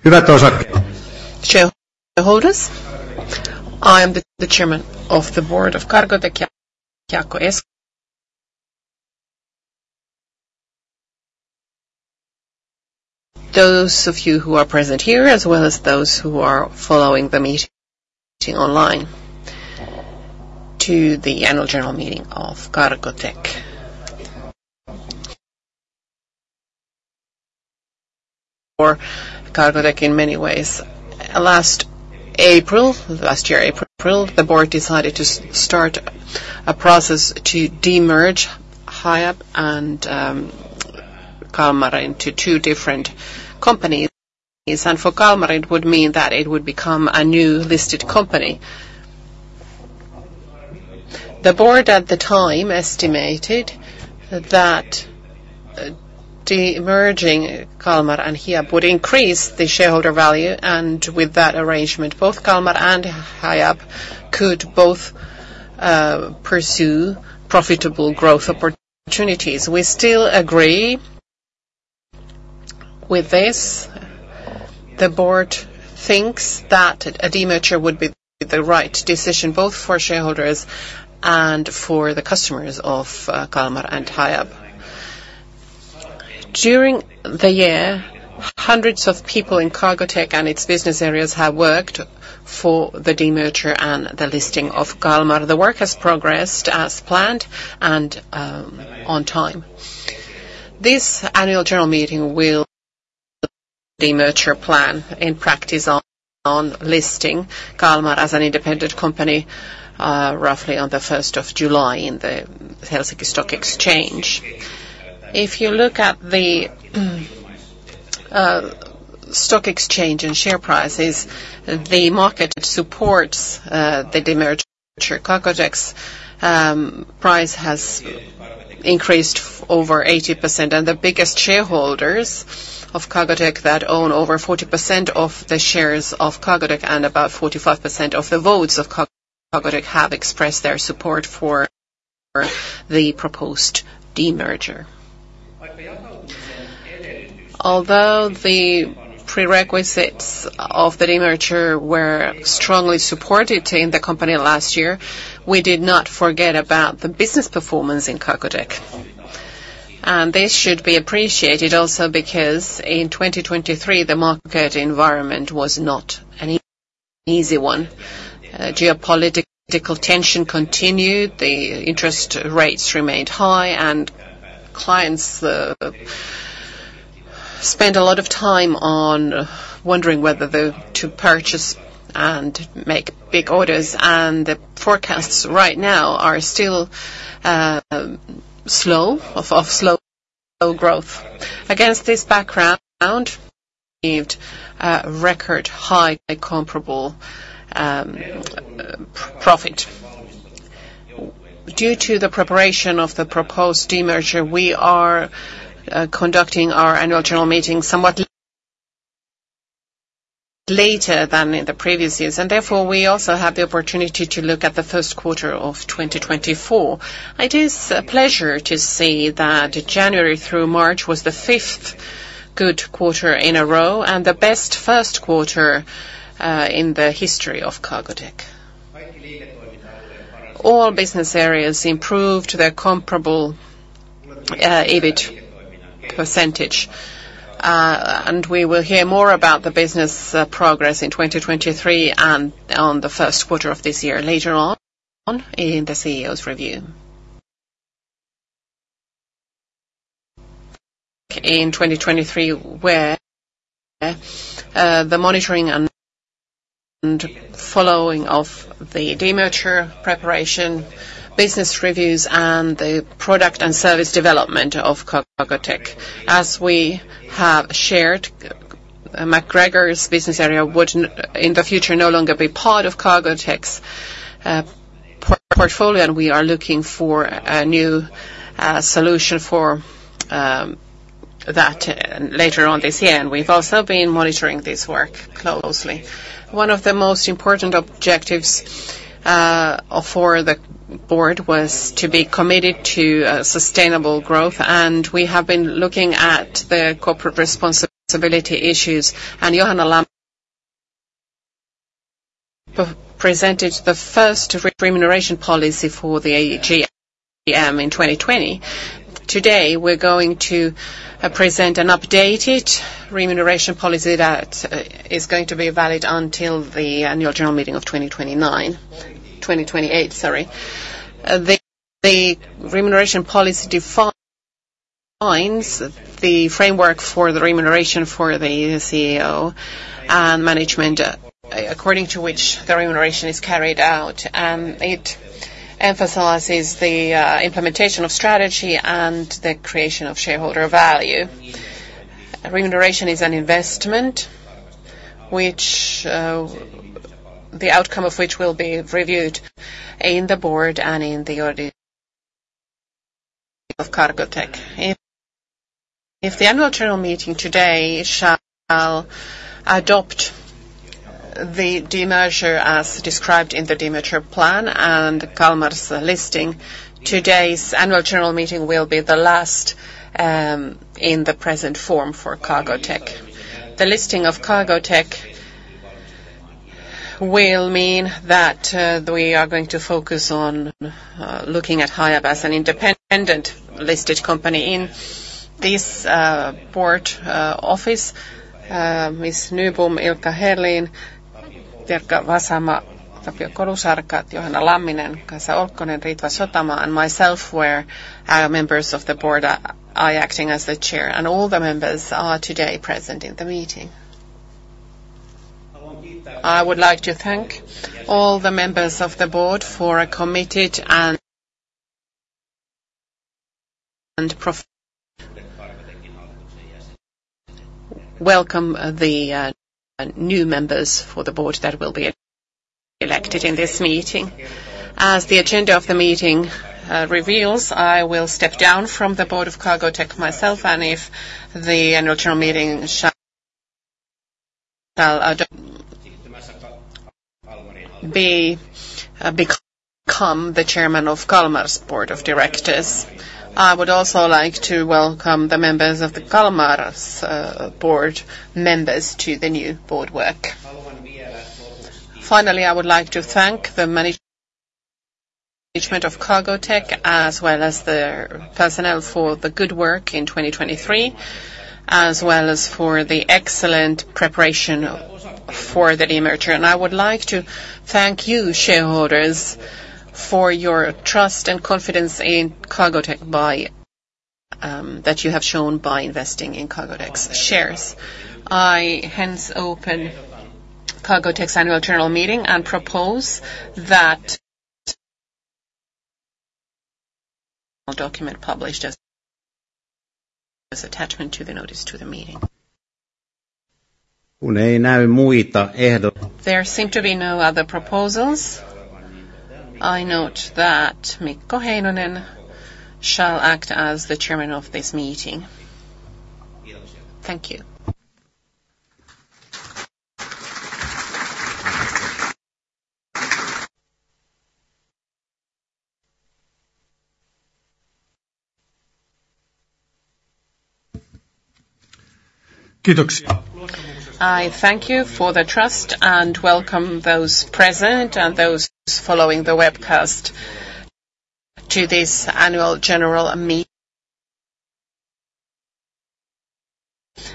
Good afternoon, shareholders! I am the Chairman of the Board of Cargotec, Jaakko Eskola. Those of you who are present here, as well as those who are following the meeting online to the annual general meeting of Cargotec. For Cargotec in many ways. Last April, last year, April, the board decided to start a process to de-merge Hiab and Kalmar into two different companies. And for Kalmar, it would mean that it would become a new listed company. The board at the time estimated that de-merging Kalmar and Hiab would increase the shareholder value, and with that arrangement, both Kalmar and Hiab could both pursue profitable growth opportunities. We still agree with this. The board thinks that a de-merger would be the right decision, both for shareholders and for the customers of Kalmar and Hiab. During the year, hundreds of people in Cargotec and its business areas have worked for the demerger and the listing of Kalmar. The work has progressed as planned and on time. This annual general meeting will demerger plan in practice on listing Kalmar as an independent company, roughly on the first of July in the Helsinki Stock Exchange. If you look at the stock exchange and share prices, the market supports the demerger. Cargotec's price has increased over 80%, and the biggest shareholders of Cargotec that own over 40% of the shares of Cargotec and about 45% of the votes of Cargotec, have expressed their support for the proposed demerger. Although the prerequisites of the demerger were strongly supported in the company last year, we did not forget about the business performance in Cargotec. This should be appreciated also because in 2023, the market environment was not an easy one. Geopolitical tension continued, the interest rates remained high, and clients spent a lot of time wondering whether they to purchase and make big orders, and the forecasts right now are still slow, of slow growth. Against this background, we achieved a record high comparable profit. Due to the preparation of the proposed demerger, we are conducting our annual general meeting somewhat later than in the previous years, and therefore, we also have the opportunity to look at the first quarter of 2024. It is a pleasure to see that January through March was the fifth good quarter in a row and the best first quarter in the history of Cargotec. All business areas improved their comparable EBIT percentage, and we will hear more about the business progress in 2023 and on the first quarter of this year later on in the CEO's review. In 2023, where the monitoring and following of the demerger preparation, business reviews, and the product and service development of Cargotec. As we have shared, MacGregor's business area would, in the future, no longer be part of Cargotec's portfolio, and we are looking for a new solution for that later on this year. And we've also been monitoring this work closely. One of the most important objectives for the board was to be committed to sustainable growth, and we have been looking at the corporate responsibility issues, and Johanna Lamminen presented the first remuneration policy for the AGM in 2020. Today, we're going to present an updated remuneration policy that is going to be valid until the annual general meeting of 2029... 2028, sorry. The remuneration policy defines the framework for the remuneration for the CEO and management, according to which the remuneration is carried out, and it emphasizes the implementation of strategy and the creation of shareholder value. Remuneration is an investment, which the outcome of which will be reviewed in the board and in the audit of Cargotec. If the annual general meeting today shall adopt the demerger as described in the demerger plan and Kalmar's listing, today's annual general meeting will be the last in the present form for Cargotec. The listing of Cargotec will mean that we are going to focus on looking at Hiab as an independent listed company. In this board office, Ms. Hankonen-Nybom, Ilkka Herlin, Teresa Kemppi-Vasama, Tapio Kolunsarka, Johanna Lamminen, Kaisa Olkkonen, Ritva Sotamaa, and myself were members of the board. I acting as the chair, and all the members are today present in the meeting. I would like to thank all the members of the board for a committed welcome the new members for the board that will be elected in this meeting. As the agenda of the meeting reveals, I will step down from the board of Cargotec myself, and if the annual general meeting shall become the chairman of Kalmar's board of directors. I would also like to welcome the members of Kalmar's board members to the new board work. Finally, I would like to thank the management of Cargotec, as well as the personnel for the good work in 2023, as well as for the excellent preparation for the demerger. I would like to thank you, shareholders, for your trust and confidence in Cargotec by that you have shown by investing in Cargotec's shares. I hence open Cargotec's annual general meeting and propose that the document published as attachment to the notice to the meeting. There seem to be no other proposals. I note that Mikko Heinonen shall act as the chairman of this meeting. Thank you. I thank you for the trust, and welcome those present and those following the webcast to this annual general meeting.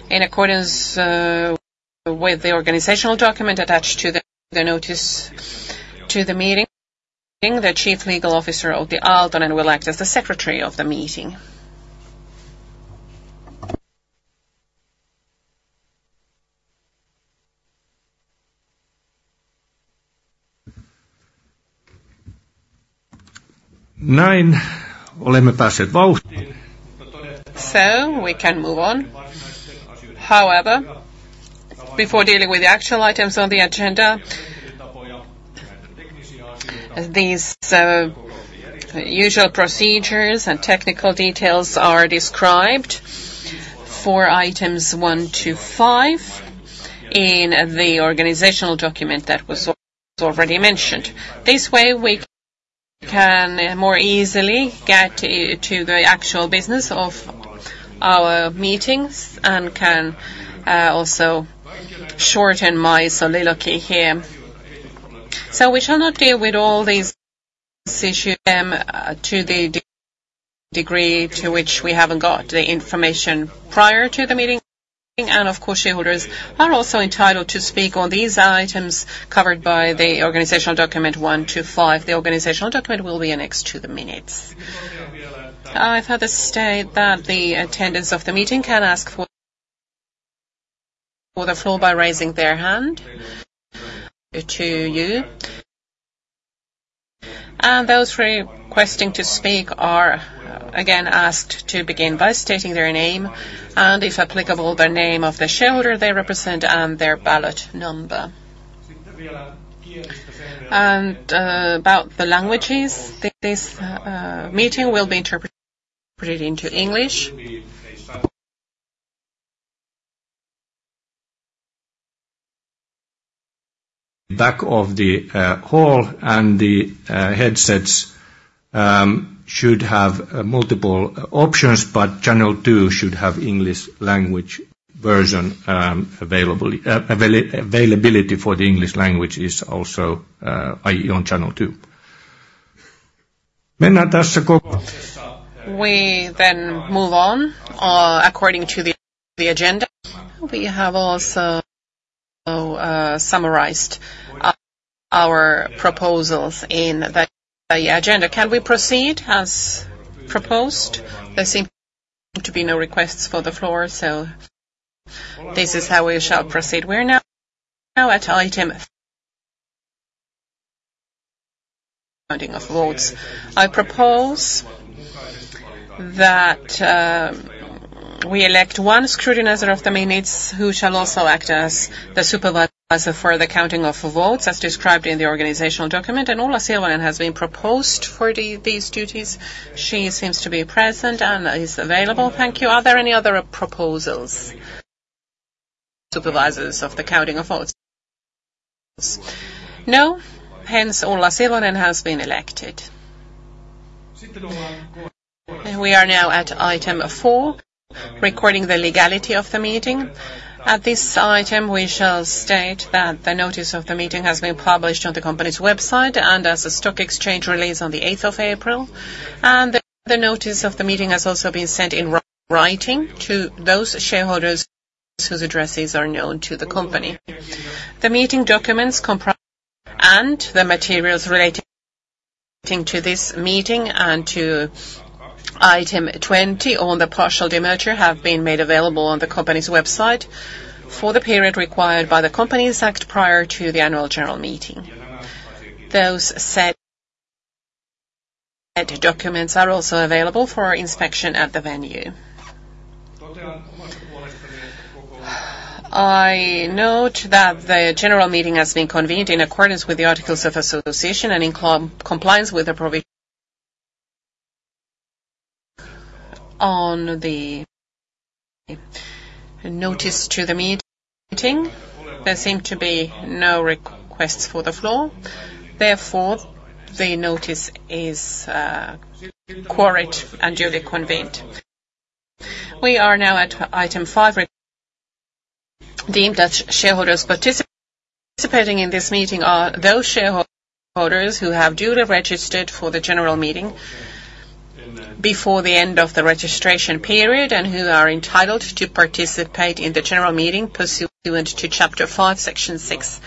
In accordance with the organizational document attached to the notice to the meeting, the Chief Legal Officer, Outi Aaltonen, will act as the secretary of the meeting. So we can move on. However, before dealing with the actual items on the agenda, these usual procedures and technical details are described for items one to five in the organizational document that was already mentioned. This way, we can more easily get to the actual business of our meetings and can also shorten my soliloquy here. So we shall not deal with all these issues to the degree to which we haven't got the information prior to the meeting, and of course, shareholders are also entitled to speak on these items covered by the organizational document one to five. The organizational document will be annexed to the minutes. I've further stated that the attendees of the meeting can ask for the floor by raising their hand to you. Those requesting to speak are again asked to begin by stating their name, and if applicable, the name of the shareholder they represent and their ballot number. About the languages, this meeting will be interpreted into English. Back of the hall, and the headsets should have multiple options, but channel two should have English language version available. Availability for the English language is also, i.e., on channel two. We then move on according to the agenda. We have also summarized our proposals in the agenda. Can we proceed as proposed? There seem to be no requests for the floor, so this is how we shall proceed. We're now at item counting of votes. I propose that we elect one scrutinizer of the minutes, who shall also act as the supervisor for the counting of votes, as described in the organizational document, and Ulla Silvonen has been proposed for these duties. She seems to be present and is available. Thank you. Are there any other proposals for supervisors of the counting of votes? No. Hence, Ulla Silvonen has been elected. We are now at item four, recording the legality of the meeting. At this item, we shall state that the notice of the meeting has been published on the company's website and as a stock exchange release on the eighth of April, and the notice of the meeting has also been sent in writing to those shareholders whose addresses are known to the company. The meeting documents comprised, and the materials relating to this meeting and to item 20 on the partial demerger, have been made available on the company's website for the period required by the Companies Act prior to the annual general meeting. Those said documents are also available for inspection at the venue. I note that the general meeting has been convened in accordance with the articles of association and in compliance with the provision on the notice to the meeting. There seem to be no requests for the floor. Therefore, the notice is quorate and duly convened. We are now at item 5, the shareholders participating in this meeting are those shareholders who have duly registered for the general meeting before the end of the registration period, and who are entitled to participate in the general meeting pursuant to Chapter 5, Section 6,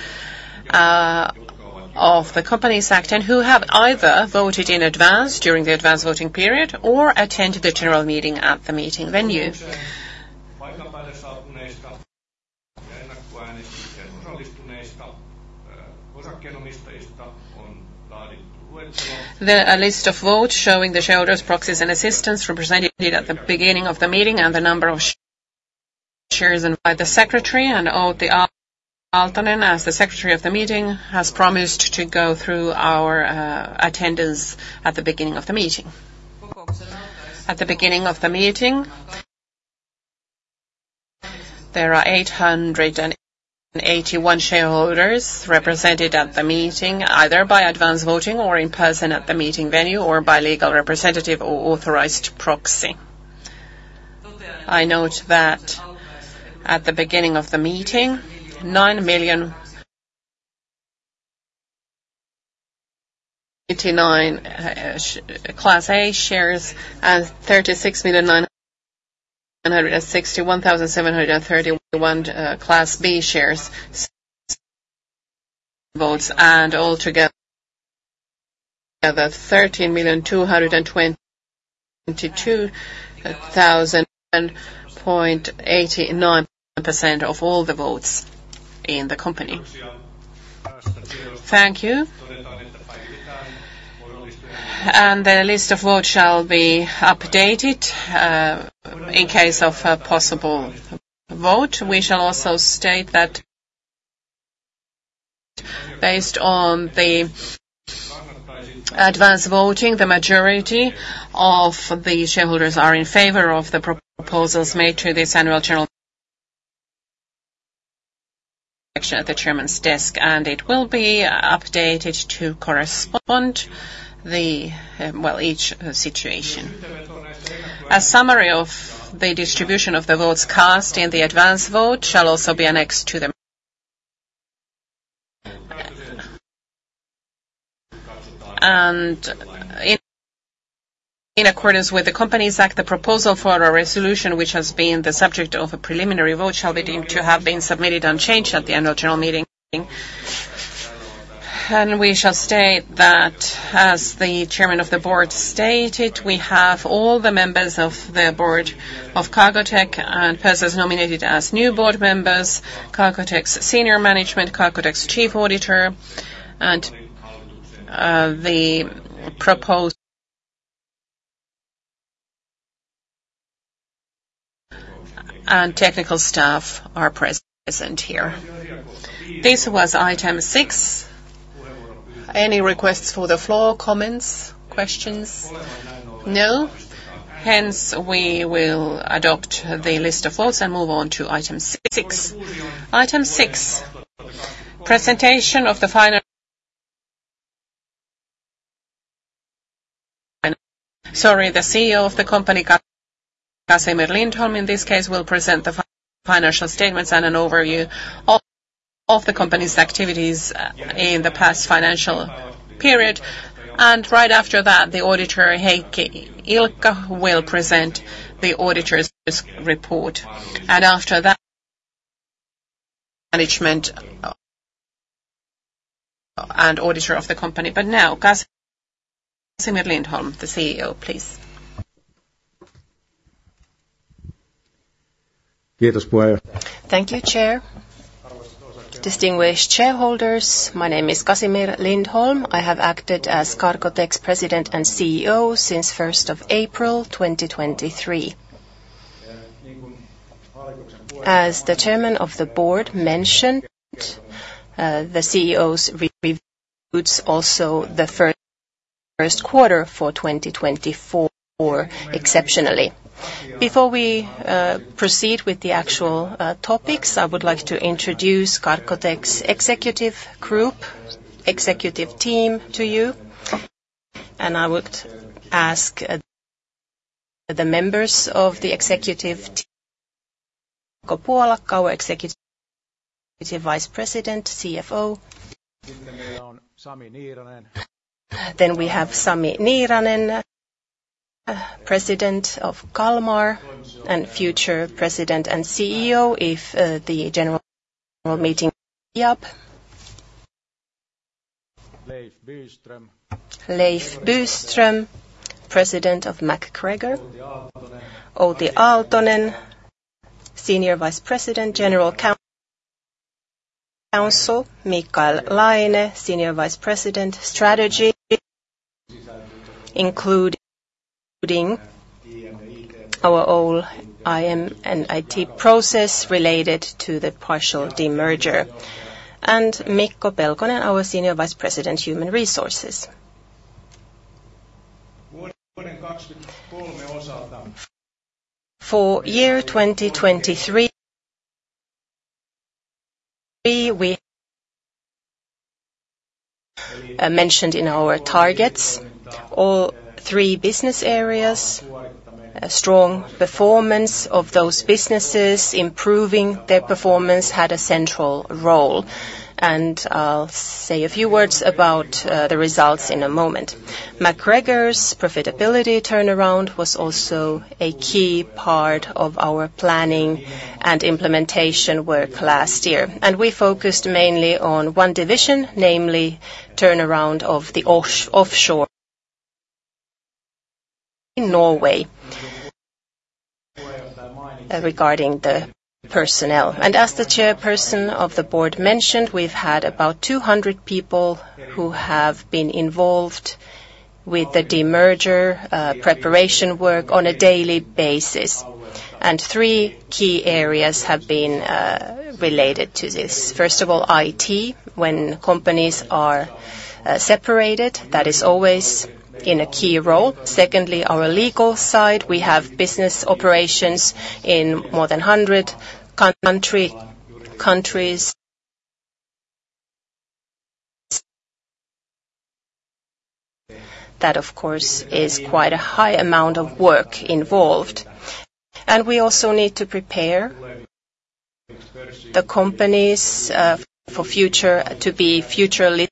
of the Companies Act, and who have either voted in advance during the advance voting period or attended the general meeting at the meeting venue. The list of votes showing the shareholders, proxies, and assistants represented at the beginning of the meeting, and the number of shares by the secretary and Outi Aaltonen as the secretary of the meeting, has promised to go through our attendance at the beginning of the meeting. At the beginning of the meeting, there are 881 shareholders represented at the meeting, either by advanced voting or in person at the meeting venue, or by legal representative, or authorized proxy. I note that at the beginning of the meeting, 9,000,089 Class A shares and 36,961,731 Class B shares votes, and altogether 13,222,000 and 0.89% of all the votes in the company. Thank you. The list of votes shall be updated in case of a possible vote. We shall also state that based on the advanced voting, the majority of the shareholders are in favor of the proposals made to this annual general... at the chairman's desk, and it will be updated to correspond the... Well, each situation. A summary of the distribution of the votes cast in the advance vote shall also be annexed to the... In accordance with the Companies Act, the proposal for a resolution, which has been the subject of a preliminary vote, shall be deemed to have been submitted unchanged at the end of general meeting. We shall state that, as the chairman of the board stated, we have all the members of the board of Cargotec and persons nominated as new board members, Cargotec's senior management, Cargotec's chief auditor, and, the proposed... and technical staff are present, present here. This was item six. Any requests for the floor, comments, questions? No. Hence, we will adopt the list of votes and move on to item six. Item six, presentation of the final... Sorry, the CEO of the company, Casimir Lindholm, in this case, will present the financial statements and an overview of the company's activities in the past financial period. And right after that, the auditor, Heikki Ilkka, will present the auditor's report, and after that, management and auditor of the company. But now, Casimir Lindholm, the CEO, please. Thank you, Chair. Distinguished shareholders, my name is Casimir Lindholm. I have acted as Cargotec's President and CEO since first of April, 2023. As the chairman of the board mentioned, the CEO's review includes also the first quarter for 2024 exceptionally. Before we proceed with the actual topics, I would like to introduce Cargotec's executive group, executive team to you, and I would ask the members of the executive team. Mikko Puolakka, our Executive Vice President, CFO. Sami Niiranen. Then we have Sami Niiranen, President of Kalmar, and future President and CEO, if the general meeting... Hiab. Leif Byström. Leif Byström, President of MacGregor. Outi Aaltonen. Outi Aaltonen, Senior Vice President, General Counsel. Mikael Laine, Senior Vice President, Strategy, including our own IM and IT process related to the partial demerger. And Mikko Pelkonen, our Senior Vice President, Human Resources. For year 2023, we mentioned in our targets, all three business areas, a strong performance of those businesses, improving their performance had a central role. And I'll say a few words about the results in a moment. MacGregor's profitability turnaround was also a key part of our planning and implementation work last year, and we focused mainly on one division, namely turnaround of the offshore in Norway, regarding the personnel. And as the chairperson of the board mentioned, we've had about 200 people who have been involved with the demerger preparation work on a daily basis, and three key areas have been related to this. First of all, IT. When companies are separated, that is always in a key role. Secondly, our legal side. We have business operations in more than 100 countries. That, of course, is quite a high amount of work involved. And we also need to prepare the companies for the future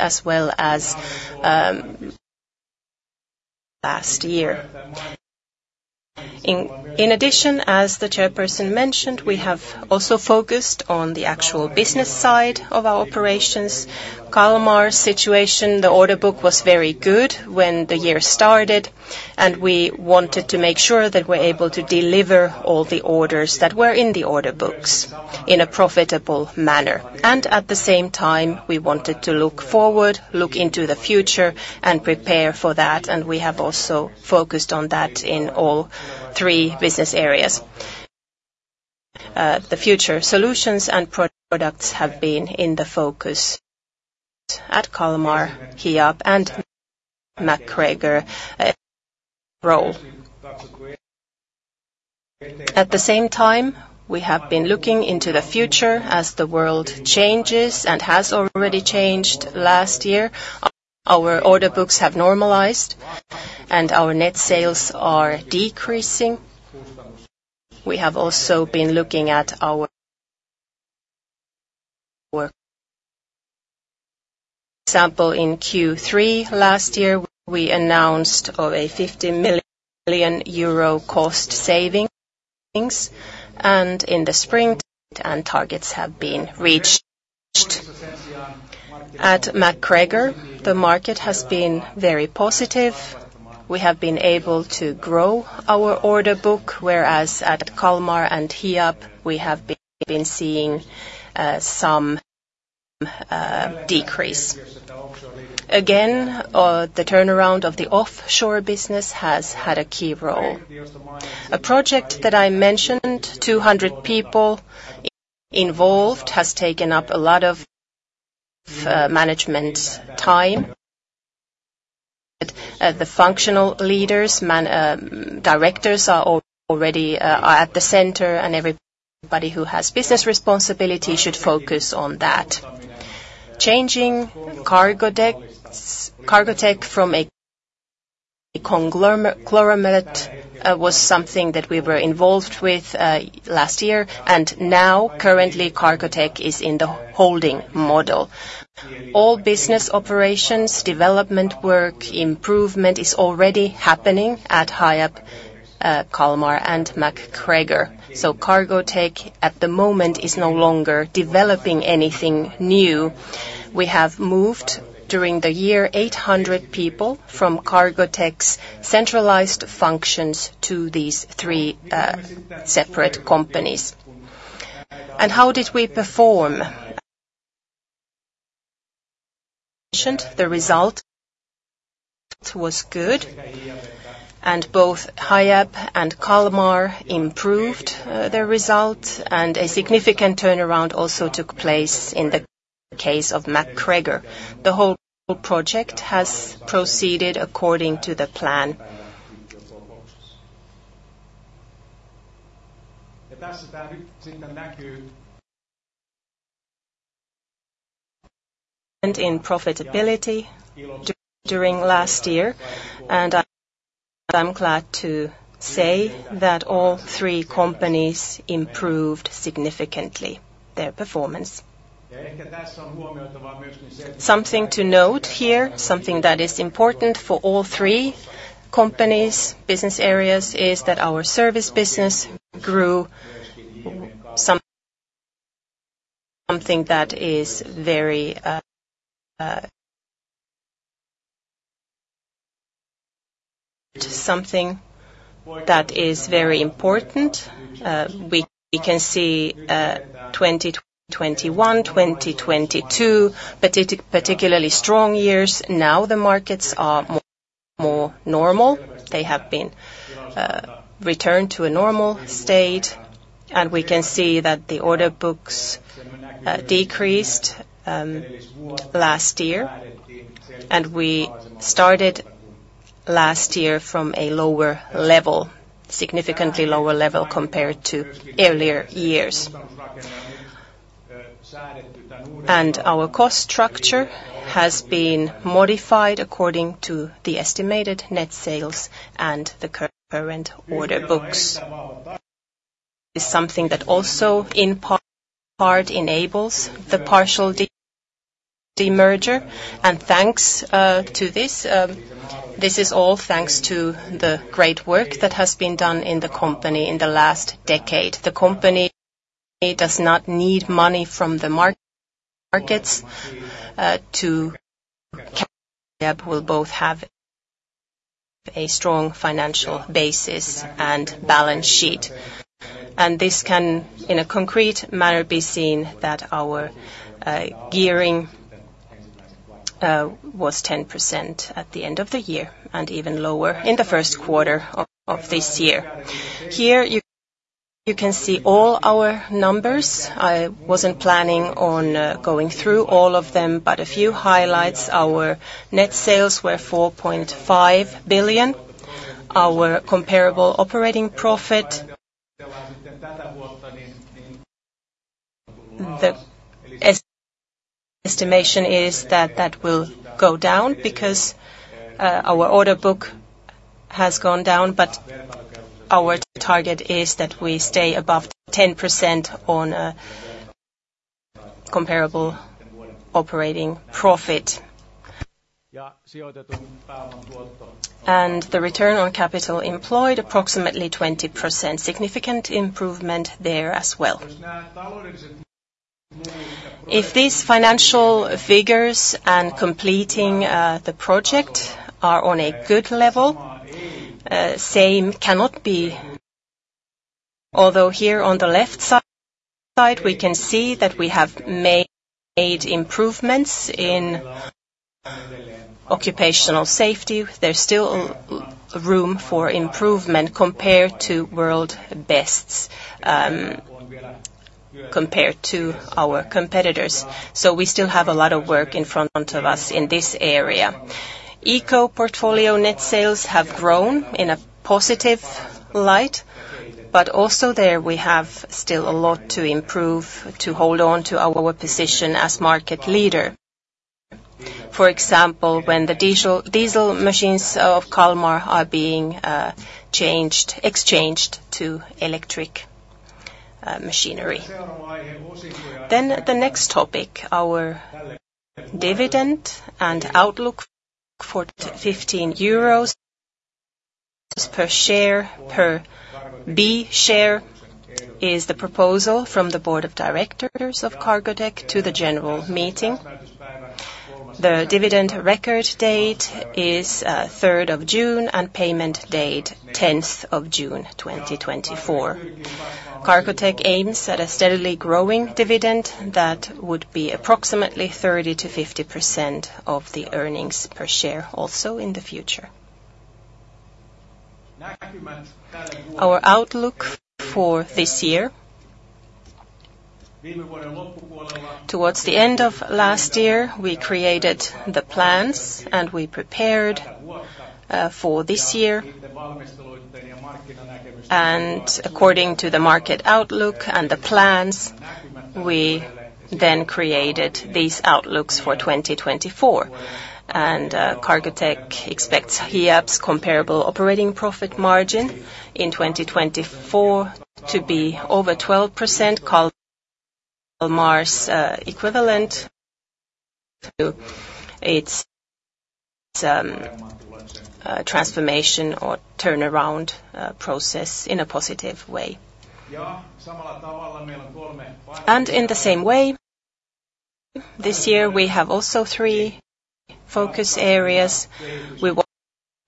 as well as last year. In addition, as the chairperson mentioned, we have also focused on the actual business side of our operations. Kalmar's situation, the order book was very good when the year started, and we wanted to make sure that we're able to deliver all the orders that were in the order books in a profitable manner. And at the same time, we wanted to look forward, look into the future, and prepare for that, and we have also focused on that in all three business areas. The future solutions and products have been in the focus at Kalmar, Hiab, and MacGregor. At the same time, we have been looking into the future as the world changes and has already changed last year. Our order books have normalized and our net sales are decreasing. We have also been looking at our work. For example, in Q3 last year, we announced a 50 million euro cost savings, and in the spring, the targets have been reached. At MacGregor, the market has been very positive. We have been able to grow our order book, whereas at Kalmar and Hiab, we have been seeing some decrease. Again, the turnaround of the offshore business has had a key role. A project that I mentioned, 200 people involved, has taken up a lot of management's time. The functional leaders, man, directors are already at the center, and everybody who has business responsibility should focus on that. Changing Cargotec from a conglomerate was something that we were involved with last year, and now, currently, Cargotec is in the holding model. All business operations, development work, improvement, is already happening at Hiab, Kalmar, and MacGregor. So Cargotec, at the moment, is no longer developing anything new. We have moved, during the year, 800 people from Cargotec's centralized functions to these three separate companies. And how did we perform? The result was good, and both Hiab and Kalmar improved their results, and a significant turnaround also took place in the case of MacGregor. The whole project has proceeded according to the plan. In profitability during last year, and I'm glad to say that all three companies improved significantly their performance. Something to note here, something that is important for all three companies' business areas, is that our service business grew, something that is very important. We can see 2021, 2022, particularly strong years. Now the markets are more normal. They have returned to a normal state, and we can see that the order books decreased last year. And we started last year from a lower level, significantly lower level compared to earlier years. And our cost structure has been modified according to the estimated net sales and the current order books. is something that also in part enables the partial demerger, and thanks to this, this is all thanks to the great work that has been done in the company in the last decade. The company does not need money from the markets to will both have a strong financial basis and balance sheet, and this can, in a concrete manner, be seen that our gearing was 10% at the end of the year and even lower in the first quarter of this year. Here, you can see all our numbers. I wasn't planning on going through all of them, but a few highlights. Our net sales were 4.5 billion. Our comparable operating profit, the estimation is that that will go down because, our order book has gone down, but our target is that we stay above 10% on a comparable operating profit. And the return on capital employed, approximately 20%. Significant improvement there as well. If these financial figures and completing, the project are on a good level, same cannot be... Although, here on the left side, we can see that we have made improvements in occupational safety, there's still room for improvement compared to world's best, compared to our competitors. So we still have a lot of work in front of us in this area. Eco portfolio net sales have grown in a positive light, but also there, we have still a lot to improve to hold on to our position as market leader. For example, when the diesel machines of Kalmar are being exchanged to electric machinery. The next topic, our dividend and outlook for 15 euros per share, per B share, is the proposal from the board of directors of Cargotec to the general meeting. The dividend record date is third of June, and payment date, tenth of June, 2024. Cargotec aims at a steadily growing dividend that would be approximately 30%-50% of the earnings per share, also in the future. Our outlook for this year. Towards the end of last year, we created the plans, and we prepared for this year. According to the market outlook and the plans, we then created these outlooks for 2024, and Cargotec expects Hiab's comparable operating profit margin in 2024 to be over 12%. Kalmar's equivalent to its transformation or turnaround process in a positive way. And in the same way, this year, we have also three focus areas. We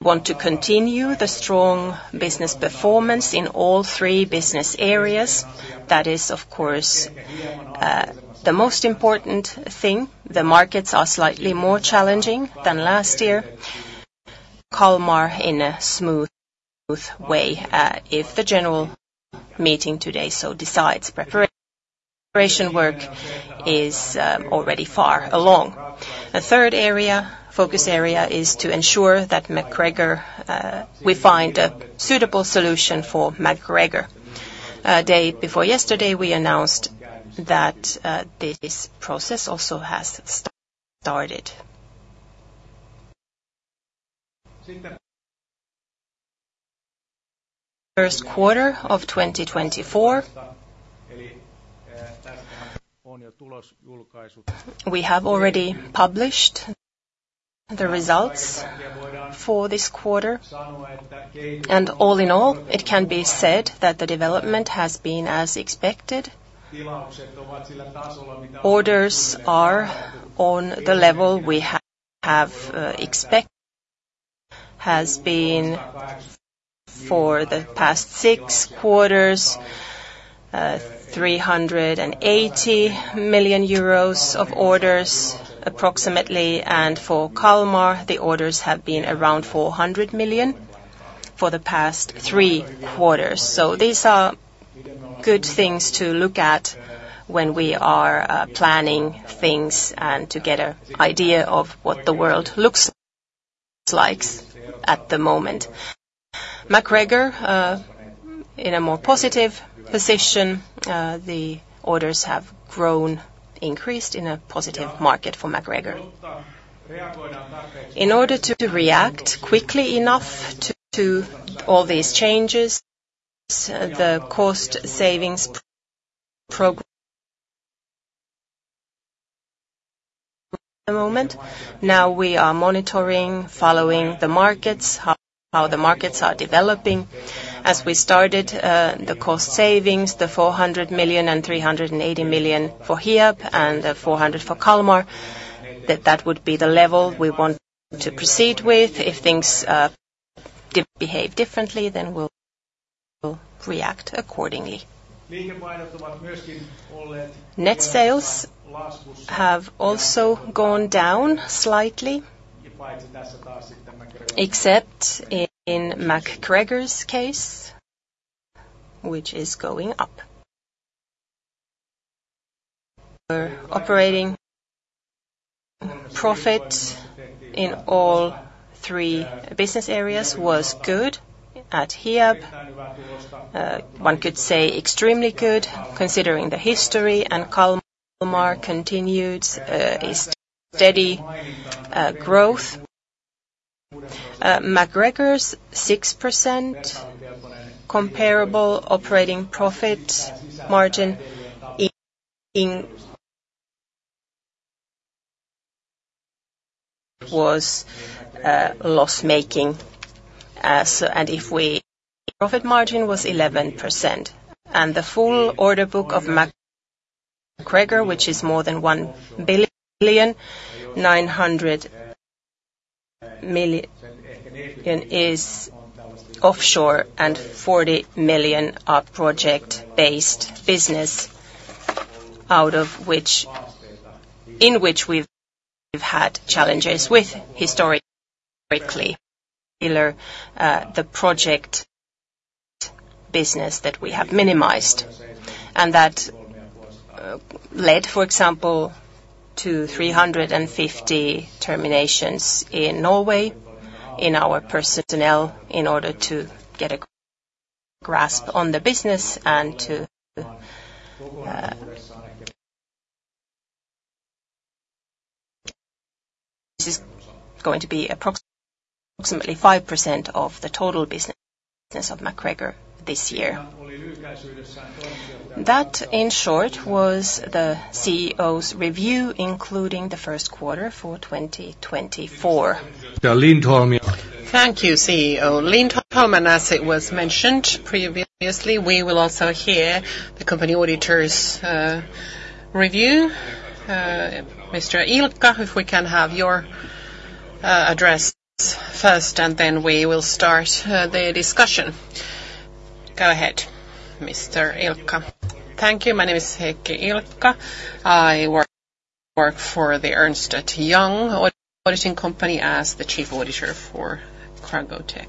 want to continue the strong business performance in all three business areas. That is, of course, the most important thing. The markets are slightly more challenging than last year. Kalmar in a smooth way, if the general meeting today so decides. Preparation work is already far along. The third area, focus area, is to ensure that MacGregor we find a suitable solution for MacGregor. Day before yesterday, we announced that this process also has started. First quarter of 2024. We have already published the results for this quarter, and all in all, it can be said that the development has been as expected. Orders are on the level we have expected has been for the past six quarters, 380 million euros of orders, approximately, and for Kalmar, the orders have been around 400 million for the past three quarters. So these are good things to look at when we are planning things and to get an idea of what the world looks like at the moment. MacGregor in a more positive position, the orders have grown, increased in a positive market for MacGregor. In order to react quickly enough to all these changes, the cost savings program at the moment. Now we are monitoring, following the markets, how the markets are developing. As we started, the cost savings, the 400 million and 380 million for Hiab, and the 400 million for Kalmar, that, that would be the level we want to proceed with. If things behave differently, then we'll react accordingly. Net sales have also gone down slightly, except in MacGregor's case, which is going up. Operating profit in all three business areas was good. At Hiab, one could say extremely good, considering the history, and Kalmar continues a steady growth. MacGregor's 6% comparable operating profit margin in was loss-making. Profit margin was 11%, and the full order book of MacGregor, which is more than 1.9 billion, is offshore, and 40 million are project-based business, out of which in which we've had challenges with historically. The project business that we have minimized, and that led, for example, to 350 terminations in Norway in our personnel in order to get a grasp on the business and to... This is going to be approximately 5% of the total business of MacGregor this year. That, in short, was the CEO's review, including the first quarter for 2024. Thank you, CEO Lindholm, and as it was mentioned previously, we will also hear the company auditor's review. Mr. Ilka, if we can have your address first, and then we will start the discussion. Go ahead, Mr. Ilka. Thank you. My name is Heikki Ilkka. I work for the Ernst & Young auditing company as the chief auditor for Cargotec.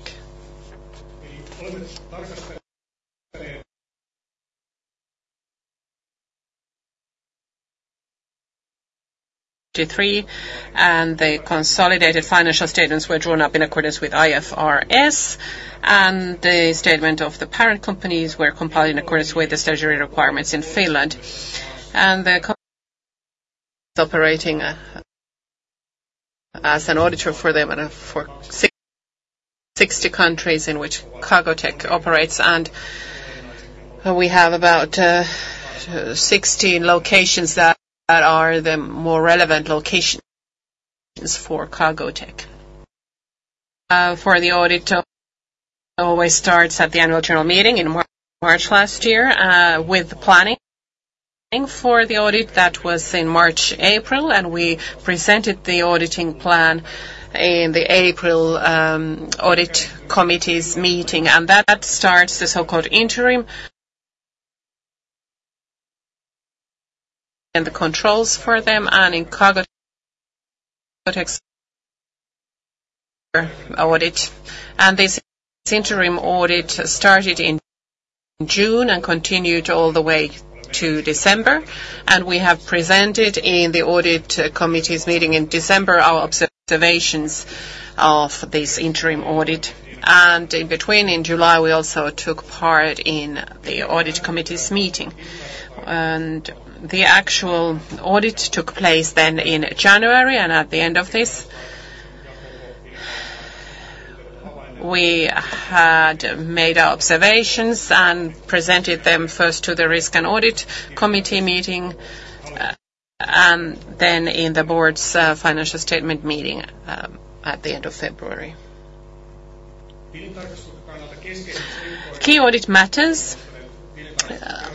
And the consolidated financial statements were drawn up in accordance with IFRS, and the statement of the parent companies were compiled in accordance with the statutory requirements in Finland. And the company operating as an auditor for them and for 60 countries in which Cargotec operates, and we have about 16 locations that are the more relevant locations for Cargotec. For the audit of-... It always starts at the Annual General Meeting in March, March last year, with the planning for the audit that was in March, April, and we presented the auditing plan in the April audit committee's meeting. That starts the so-called interim and the controls for them, and in audit. This interim audit started in June and continued all the way to December, and we have presented in the audit committee's meeting in December, our observations of this interim audit. In between, in July, we also took part in the audit committee's meeting. The actual audit took place then in January, and at the end of this, we had made our observations and presented them first to the risk and audit committee meeting, and then in the board's financial statement meeting, at the end of February. Key audit matters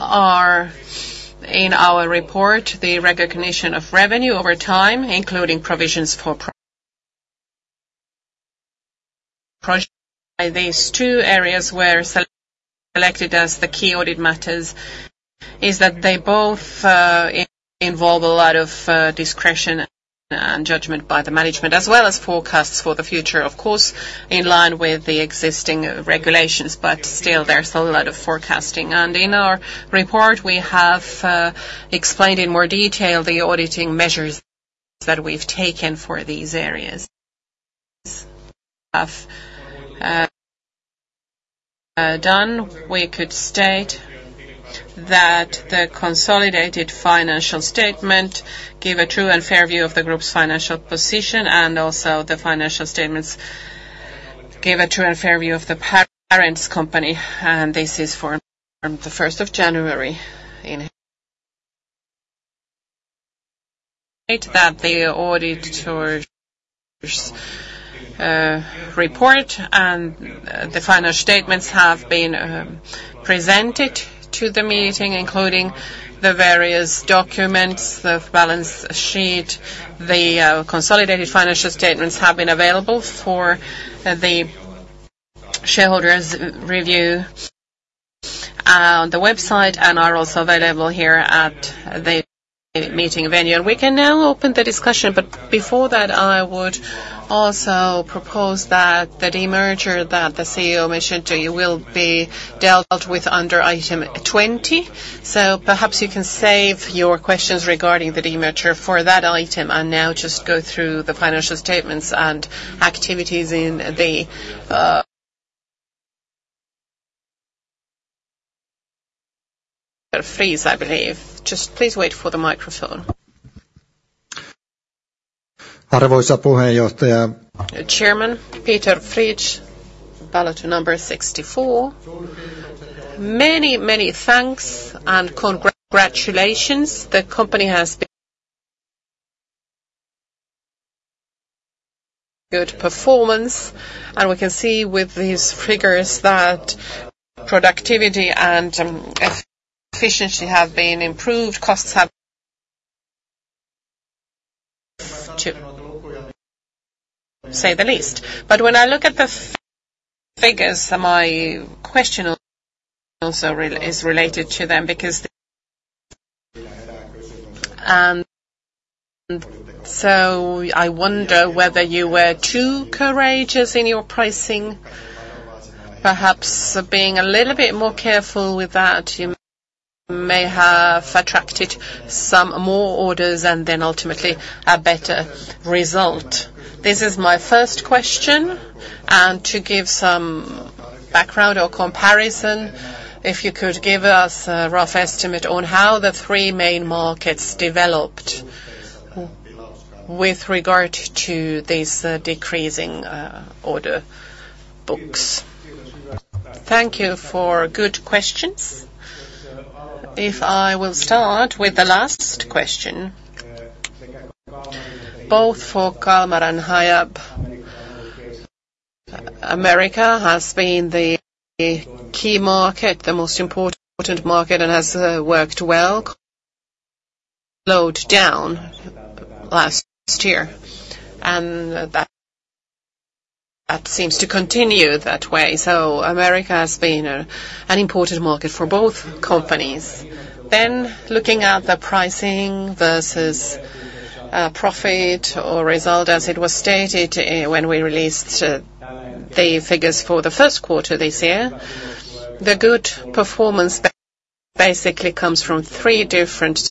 are in our report, the recognition of revenue over time, including provisions for these two areas were selected as the key audit matters, is that they both involve a lot of discretion and judgment by the management, as well as forecasts for the future, of course, in line with the existing regulations, but still, there's a lot of forecasting. And in our report, we have explained in more detail the auditing measures that we've taken for these areas. Done, we could state that the consolidated financial statement give a true and fair view of the Group's financial position, and also the financial statements give a true and fair view of the parent company, and this is from the first of January in that the auditors' report and the final statements have been presented to the meeting, including the various documents, the balance sheet. The consolidated financial statements have been available for the shareholders' review on the website, and are also available here at the meeting venue. We can now open the discussion, but before that, I would also propose that the demerger that the CEO mentioned to you will be dealt with under item 20. So perhaps you can save your questions regarding the demerger for that item, and now just go through the financial statements and activities in the... Peter Friis, I believe. Just please wait for the microphone. Chairman, Peter Friis, ballot number 64. Many, many thanks and congratulations. The company has been... Good performance, and we can see with these figures that productivity and efficiency have been improved, costs have... to say the least. But when I look at the figures, my question also is related to them because the... And so I wonder whether you were too courageous in your pricing. Perhaps being a little bit more careful with that, you may have attracted some more orders and then ultimately, a better result. This is my first question. And to give some background or comparison, if you could give us a rough estimate on how the three main markets developed with regard to these decreasing order books. Thank you for good questions. If I will start with the last question, both for Kalmar and Hiab, America has been the key market, the most important market and has worked well. Slowed down last year, and that seems to continue that way. So America has been an important market for both companies. Then, looking at the pricing versus profit or result, as it was stated, when we released the figures for the first quarter this year, the good performance basically comes from three different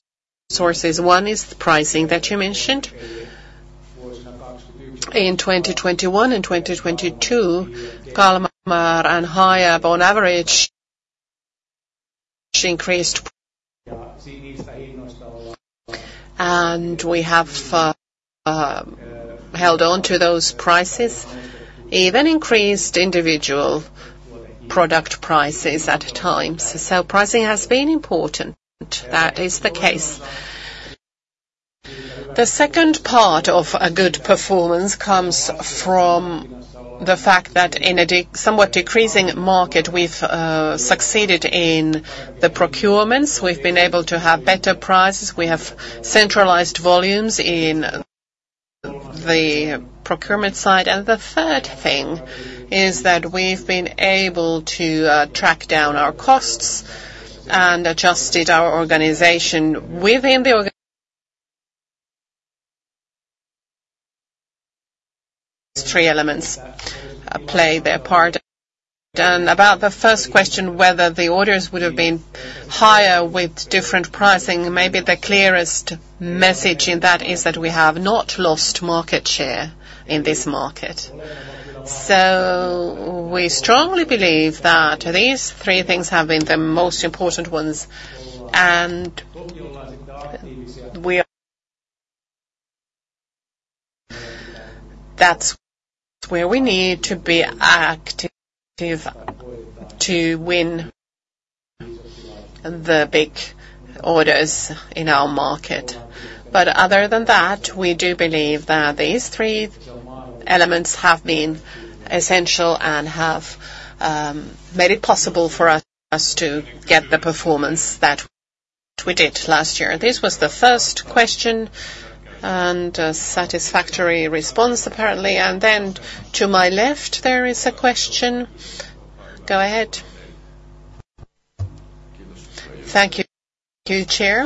sources. One is the pricing that you mentioned. In 2021 and 2022, Kalmar and Hiab, on average, increased, and we have held on to those prices, even increased individual product prices at times. So pricing has been important. That is the case.... The second part of a good performance comes from the fact that in a somewhat decreasing market, we've succeeded in the procurements. We've been able to have better prices. We have centralized volumes in the procurement side. And the third thing is that we've been able to track down our costs and adjusted our organization within the organization. These three elements play their part. And about the first question, whether the orders would have been higher with different pricing, maybe the clearest message in that is that we have not lost market share in this market. So we strongly believe that these three things have been the most important ones, and we are... That's where we need to be active to win the big orders in our market. But other than that, we do believe that these three elements have been essential and have made it possible for us to get the performance that we did last year. This was the first question, and a satisfactory response, apparently. And then to my left, there is a question. Go ahead. Thank you, Chair.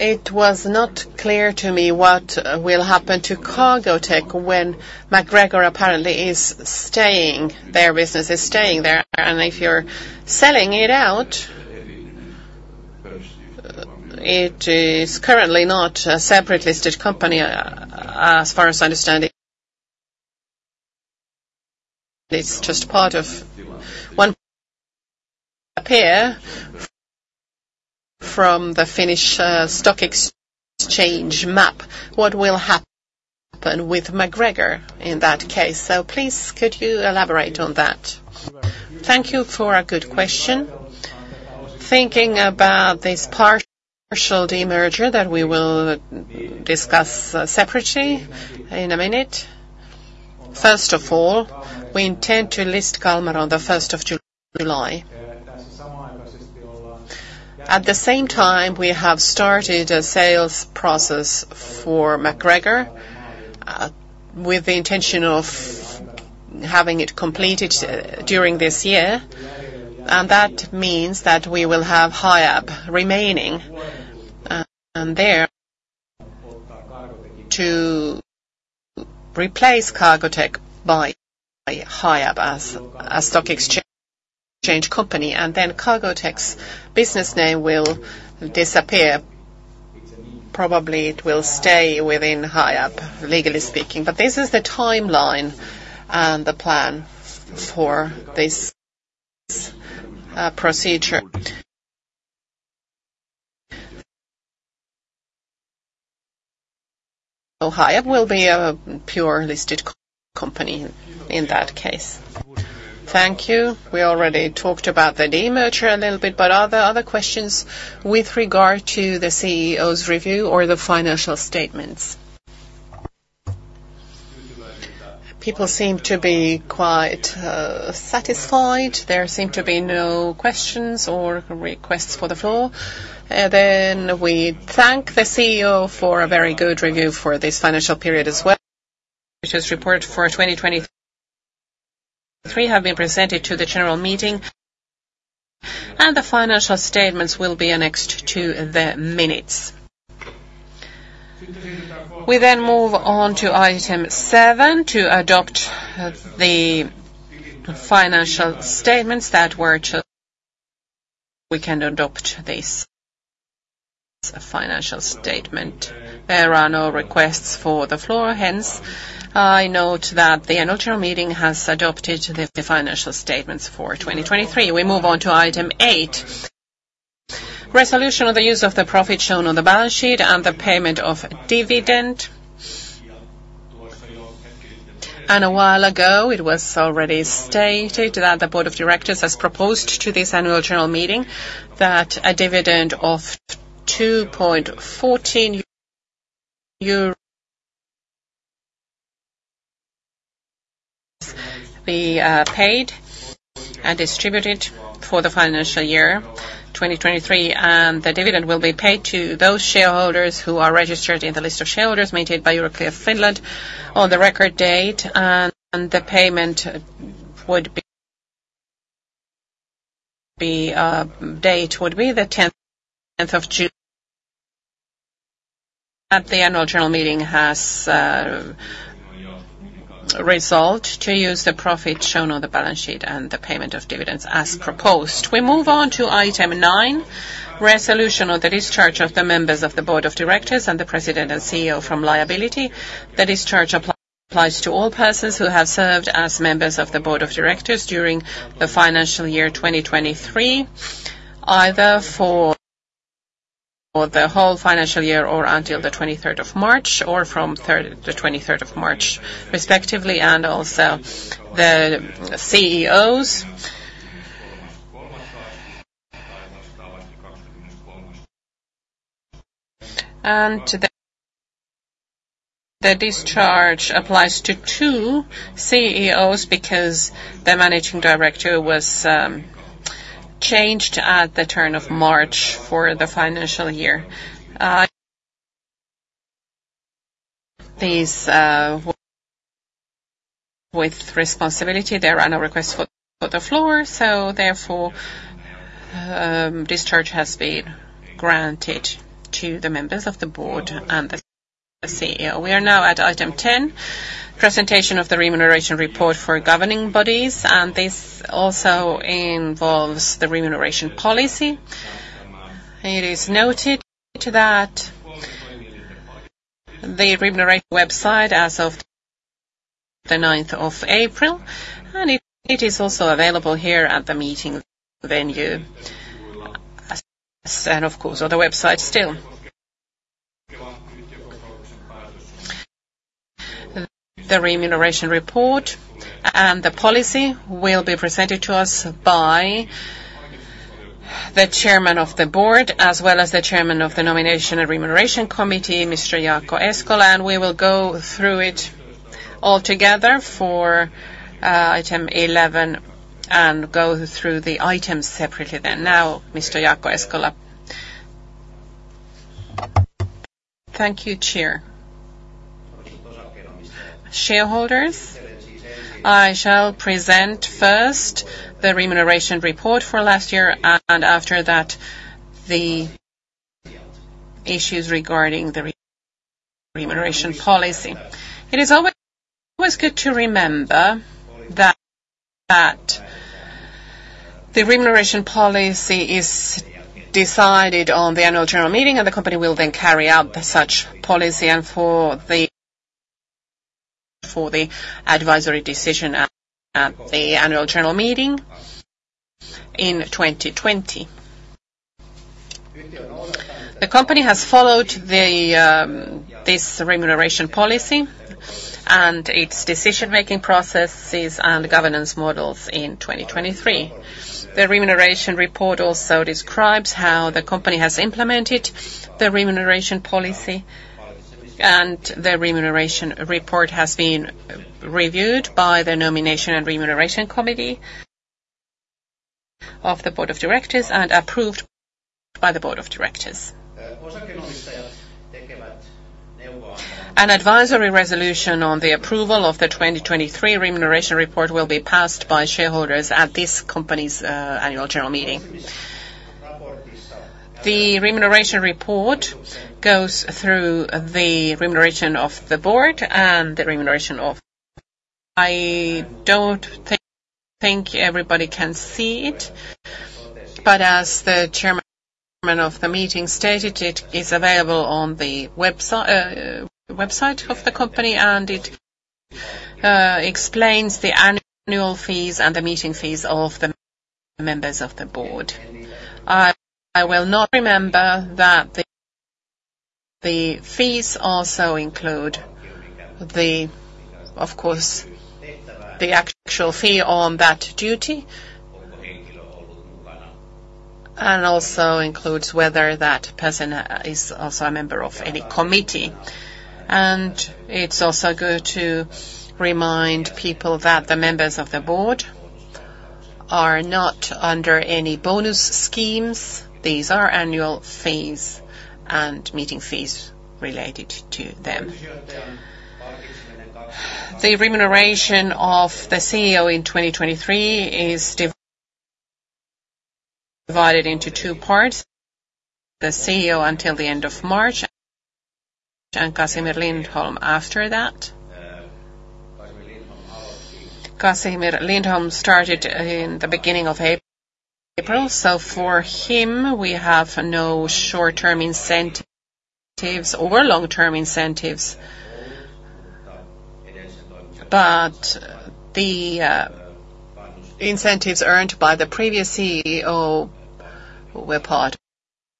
It was not clear to me what will happen to Cargotec when MacGregor apparently is staying, their business is staying there, and if you're selling it out, it is currently not a separate listed company, as far as I understand it. It's just part of one entity from the Finnish Stock Exchange map. What will happen with MacGregor in that case? So please, could you elaborate on that? Thank you for a good question. Thinking about this part, partial demerger that we will discuss separately in a minute. First of all, we intend to list Kalmar on the first of July. At the same time, we have started a sales process for MacGregor, with the intention of having it completed during this year, and that means that we will have Hiab remaining, there to replace Cargotec by, by Hiab as a stock exchange, exchange company, and then Cargotec's business name will disappear. Probably it will stay within Hiab, legally speaking. But this is the timeline and the plan for this, procedure. So Hiab will be a pure listed company in that case. Thank you. We already talked about the demerger a little bit, but are there other questions with regard to the CEO's review or the financial statements? People seem to be quite satisfied. There seem to be no questions or requests for the floor. Then we thank the CEO for a very good review for this financial period as well, which was reported for 2023, have been presented to the general meeting, and the financial statements will be annexed to the minutes. We then move on to item seven, to adopt the financial statements. We can adopt this financial statement. There are no requests for the floor. Hence, I note that the annual general meeting has adopted the financial statements for 2023. We move on to item eight, resolution of the use of the profit shown on the balance sheet and the payment of dividend. And a while ago, it was already stated that the Board of Directors has proposed to this Annual General Meeting that a dividend of 2.14 euros be paid and distributed for the financial year 2023, and the dividend will be paid to those shareholders who are registered in the list of shareholders maintained by Euroclear Finland on the record date, and the payment date would be the 10th of June, that the Annual General Meeting has resolved to use the profit shown on the balance sheet and the payment of dividends as proposed. We move on to item 9, resolution of the discharge of the members of the Board of Directors and the President and CEO from liability. The discharge applies to all persons who have served as members of the Board of Directors during the financial year 2023, either for-... For the whole financial year, or until the 23rd of March, or from 3rd to 23rd of March, respectively, and also the CEOs. And the discharge applies to two CEOs, because the managing director was changed at the turn of March for the financial year. These, with responsibility, there are no requests for the floor, so therefore, discharge has been granted to the members of the board and the CEO. We are now at item 10: presentation of the remuneration report for governing bodies, and this also involves the remuneration policy. It is noted that the remuneration website as of the 9th of April, and it is also available here at the meeting venue. And of course, on the website still. The remuneration report and the policy will be presented to us by the chairman of the board, as well as the chairman of the Nomination and Remuneration Committee, Mr. Jaakko Eskola, and we will go through it all together for item 11, and go through the items separately then. Now, Mr. Jaakko Eskola. Thank you, Chair. Shareholders, I shall present first the remuneration report for last year and after that, the issues regarding the remuneration policy. It is always good to remember that the remuneration policy is decided on the annual general meeting, and the company will then carry out the such policy and for the advisory decision at the annual general meeting in 2020. The company has followed this remuneration policy and its decision-making processes and governance models in 2023. The remuneration report also describes how the company has implemented the remuneration policy, and the remuneration report has been reviewed by the Nomination and Remuneration Committee of the Board of Directors, and approved by the Board of Directors. An advisory resolution on the approval of the 2023 remuneration report will be passed by shareholders at this company's annual general meeting. The remuneration report goes through the remuneration of the board and the remuneration of... I don't think everybody can see it, but as the chairman of the meeting stated, it is available on the website of the company, and it explains the annual fees and the meeting fees of the members of the board. I will not remember that the fees also include, of course, the actual fee on that duty, and also includes whether that person is also a member of any committee. It's also good to remind people that the members of the board are not under any bonus schemes. These are annual fees and meeting fees related to them. The remuneration of the CEO in 2023 is divided into two parts: the CEO until the end of March, and Casimir Lindholm after that. Casimir Lindholm started in the beginning of April, so for him, we have no short-term incentives or long-term incentives, but the incentives earned by the previous CEO were part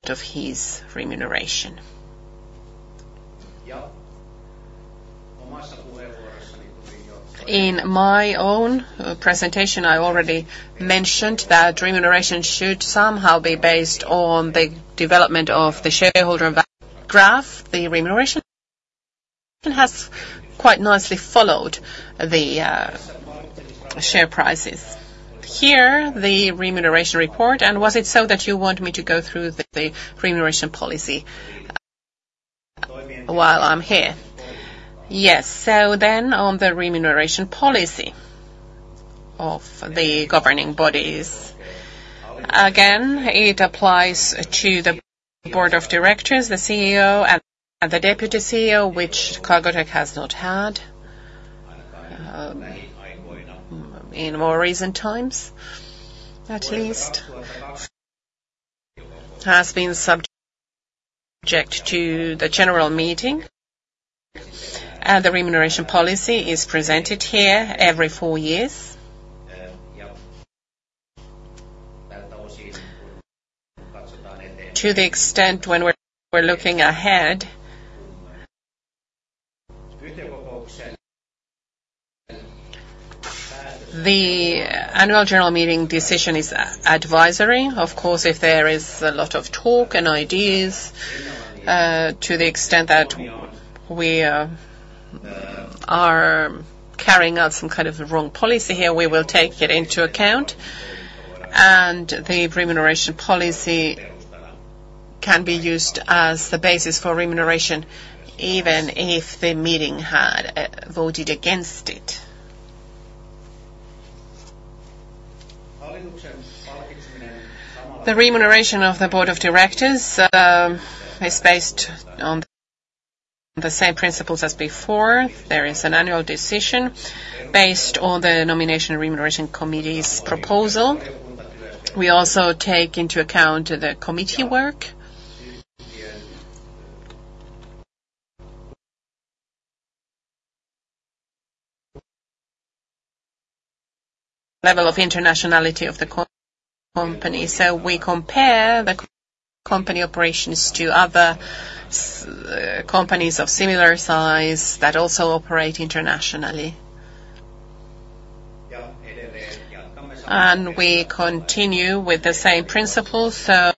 of his remuneration. In my own presentation, I already mentioned that remuneration should somehow be based on the development of the shareholder value graph, the remuneration, and has quite nicely followed the share prices. Here, the remuneration report, and was it so that you want me to go through the remuneration policy while I'm here? Yes. So then, on the remuneration policy of the governing bodies. Again, it applies to the Board of Directors, the CEO and the Deputy CEO, which Cargotec has not had in more recent times, at least. Has been subject to the general meeting, and the remuneration policy is presented here every four years.... To the extent when we're looking ahead. The annual general meeting decision is advisory. Of course, if there is a lot of talk and ideas, to the extent that we are carrying out some kind of the wrong policy here, we will take it into account, and the remuneration policy can be used as the basis for remuneration, even if the meeting had voted against it. The remuneration of the Board of Directors is based on the same principles as before. There is an annual decision based on the nomination and remuneration committee's proposal. We also take into account the committee work. Level of internationality of the company. So we compare the company operations to other companies of similar size that also operate internationally. And we continue with the same principles, so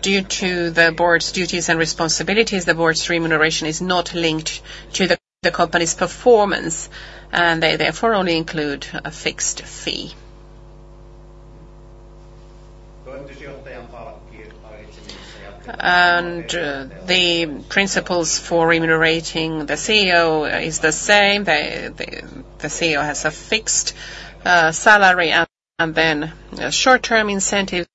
due to the Board's duties and responsibilities, the Board's remuneration is not linked to the company's performance, and they therefore only include a fixed fee. The principles for remunerating the CEO is the same. The CEO has a fixed salary and then a short-term incentive.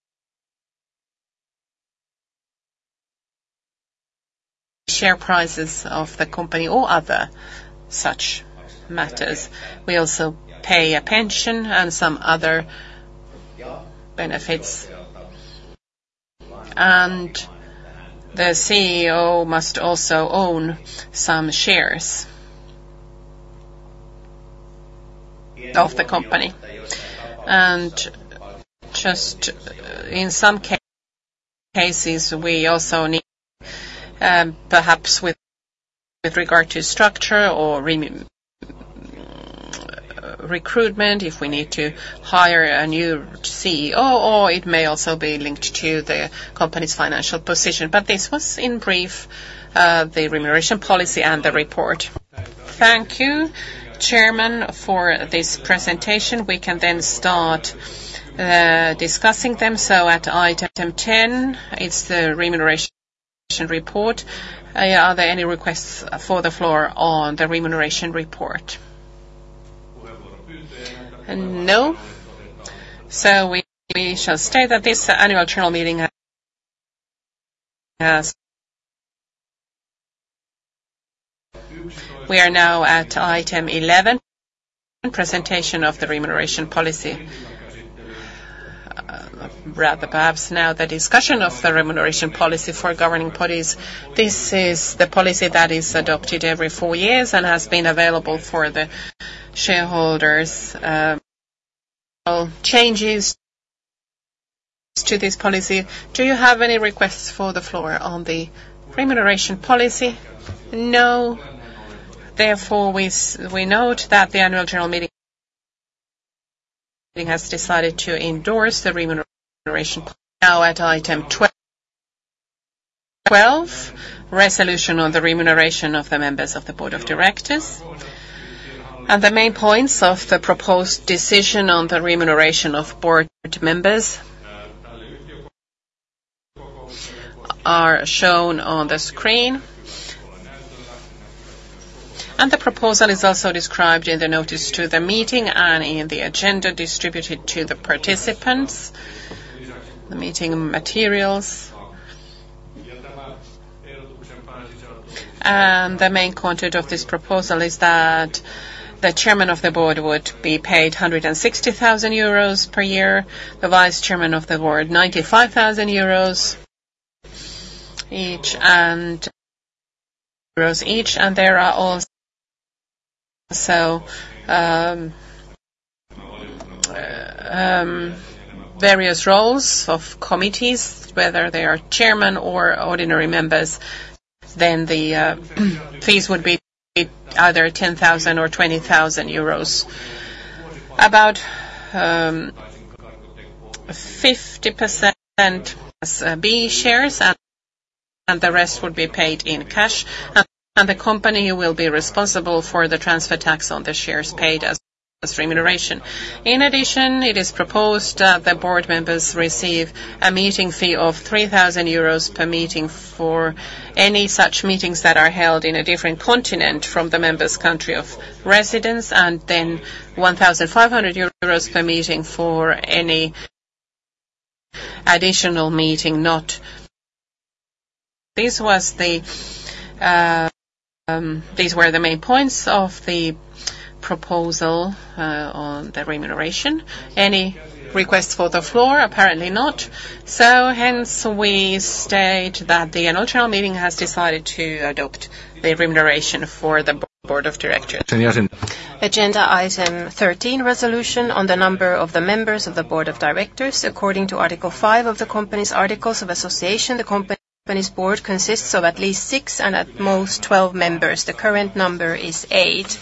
Share prices of the company or other such matters. We also pay a pension and some other benefits. The CEO must also own some shares of the company. And just, in some cases, we also need, perhaps with regard to structure or remuneration recruitment, if we need to hire a new CEO, or it may also be linked to the company's financial position. But this was in brief, the remuneration policy and the report. Thank you, Chairman, for this presentation. We can then start discussing them. So at item 10, it's the remuneration report. Are there any requests for the floor on the remuneration report? No. So we shall state that this annual general meeting has... We are now at item 11, presentation of the remuneration policy. Rather, perhaps now the discussion of the remuneration policy for governing parties. This is the policy that is adopted every 4 years and has been available for the shareholders, changes to this policy. Do you have any requests for the floor on the remuneration policy? No. Therefore, we note that the annual general meeting has decided to endorse the remuneration. Now, at item 12, resolution on the remuneration of the members of the board of directors, and the main points of the proposed decision on the remuneration of board members are shown on the screen. The proposal is also described in the notice to the meeting and in the agenda distributed to the participants, the meeting materials. The main content of this proposal is that the chairman of the board would be paid 160,000 euros per year, the vice chairman of the board, 95,000 each, and euros each, and there are also various roles of committees, whether they are chairman or ordinary members, then the fees would be either 10,000 or 20,000 euros. About 50% as B shares, and the rest would be paid in cash, and the company will be responsible for the transfer tax on the shares paid as remuneration. In addition, it is proposed that the board members receive a meeting fee of 3,000 euros per meeting for any such meetings that are held in a different continent from the member's country of residence, and then 1,500 euros per meeting for any additional meeting. This was the ...These were the main points of the proposal, on the remuneration. Any requests for the floor? Apparently not. So hence, we state that the annual general meeting has decided to adopt the remuneration for the board of directors. Agenda item 13, resolution on the number of the members of the board of directors. According to Article 5 of the company's articles of association, the company's board consists of at least 6 and at most 12 members. The current number is 8,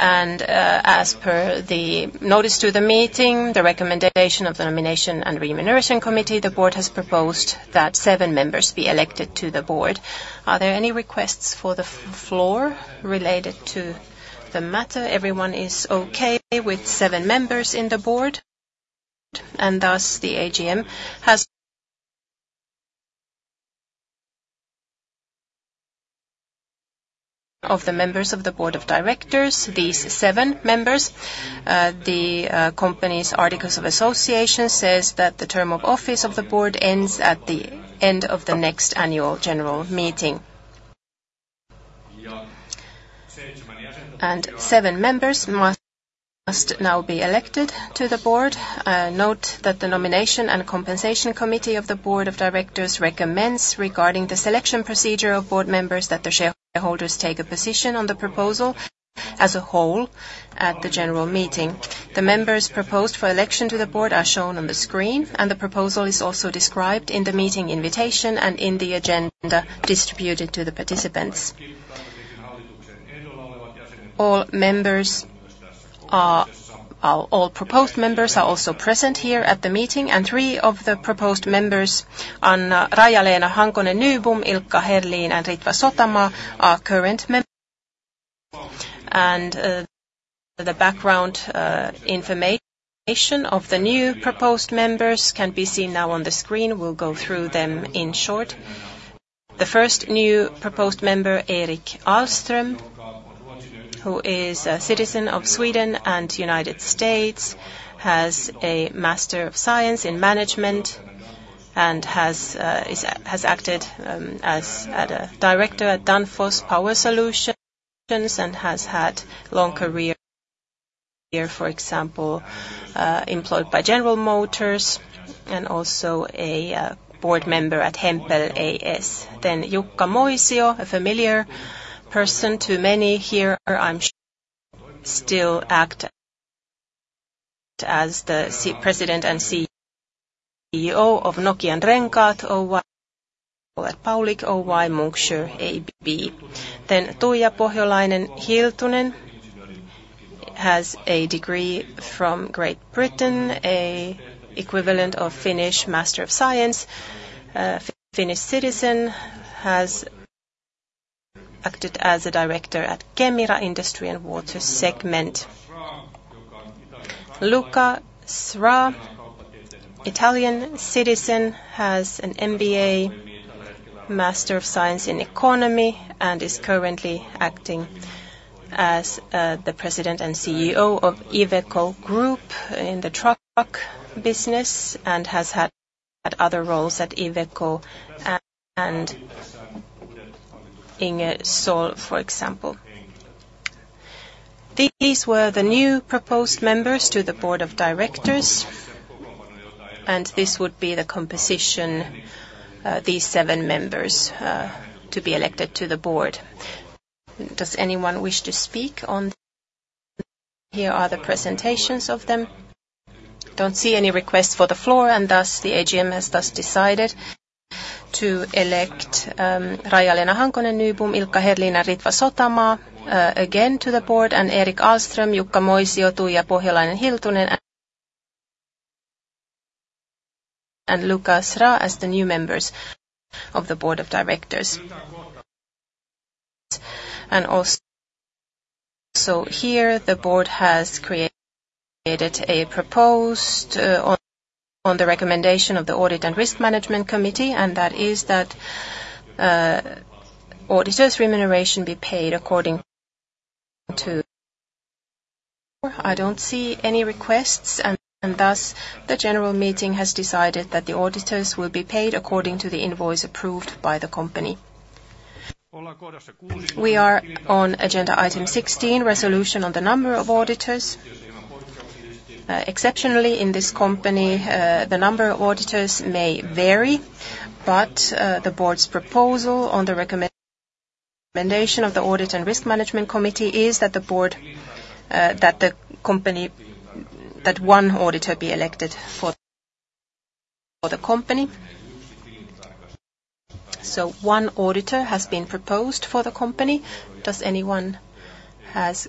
and, as per the notice to the meeting, the recommendation of the Nomination and Remuneration Committee, the board has proposed that 7 members be elected to the board. Are there any requests for the floor related to the matter? Everyone is okay with 7 members in the board, and thus the AGM has of the members of the board of directors, these 7 members. The company's articles of association says that the term of office of the board ends at the end of the next annual general meeting. Yeah. Seven members must now be elected to the board. Note that the Nomination and Compensation Committee of the Board of Directors recommends regarding the selection procedure of board members, that the shareholders take a position on the proposal as a whole at the general meeting. The members proposed for election to the board are shown on the screen, and the proposal is also described in the meeting invitation and in the agenda distributed to the participants. All proposed members are also present here at the meeting, and three of the proposed members, Raija-Leena Hankonen-Nybom, Ilkka Herlin, and Ritva Sotamaa, are current members. The background information of the new proposed members can be seen now on the screen. We'll go through them in short. The first new proposed member, Eric Alström, who is a citizen of Sweden and United States, has a Master of Science in Management and has acted as a director at Danfoss Power Solutions, and has had long career, for example, employed by General Motors and also a board member at Hempel AS. Then Jukka Moisio, a familiar person to many here, I'm sure, still act as the president and CEO of Nokian Renkaat Oy, Munksjö AB. Then Tuija Pohjolainen-Hiltunen has a degree from Great Britain, an equivalent of Finnish Master of Science, a Finnish citizen, has acted as a director at Kemira Industry and Water Segment. Luca Sra, Italian citizen, has an MBA, Master of Science in Economy, and is currently acting as the President and CEO of Iveco Group in the truck business and has had other roles at Iveco and Ingersoll Rand, for example. These were the new proposed members to the board of directors, and this would be the composition, these seven members to be elected to the board. Does anyone wish to speak on? Here are the presentations of them. Don't see any requests for the floor, and thus, the AGM has thus decided to elect Raija-Leena Hankonen-Nybom, Ilkka Herlin, and Ritva Sotamaa again to the board, and Eric Alström, Jukka Moisio, Tuija Pohjolainen-Hiltunen, and Luca Sra as the new members of the board of directors. And also, here, the board has created a proposed on the recommendation of the Audit and Risk Management Committee, and that is auditors' remuneration be paid according to... I don't see any requests, and thus, the general meeting has decided that the auditors will be paid according to the invoice approved by the company. We are on agenda item 16, resolution on the number of auditors. Exceptionally, in this company, the number of auditors may vary, but the board's proposal on the recommendation of the Audit and Risk Management Committee is that the company that one auditor be elected for the company. So one auditor has been proposed for the company. Does anyone has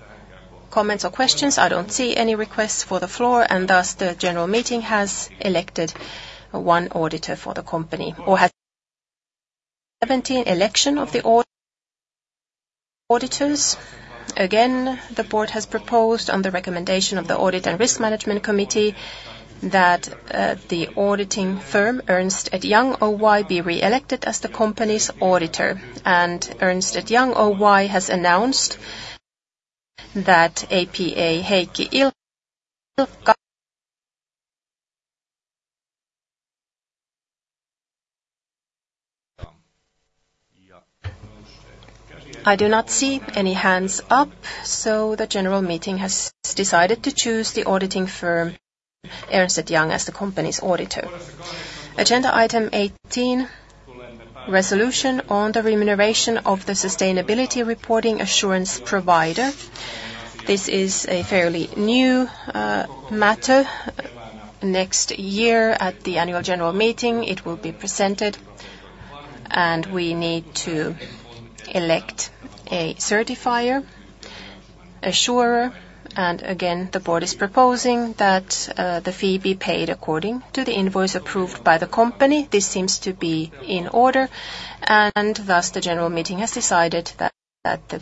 comments or questions? I don't see any requests for the floor, and thus, the general meeting has elected one auditor for the company or has... 17, election of the auditors. Again, the board has proposed, on the recommendation of the Audit and Risk Management Committee, that the auditing firm, Ernst & Young Oy, be re-elected as the company's auditor, and Ernst & Young Oy has announced that Heikki Ilkka... I do not see any hands up, so the general meeting has decided to choose the auditing firm, Ernst & Young, as the company's auditor. Agenda item 18, resolution on the remuneration of the sustainability reporting assurance provider. This is a fairly new matter. Next year, at the annual general meeting, it will be presented, and we need to elect a certifier, assurer, and again, the board is proposing that the fee be paid according to the invoice approved by the company. This seems to be in order, and thus, the general meeting has decided that the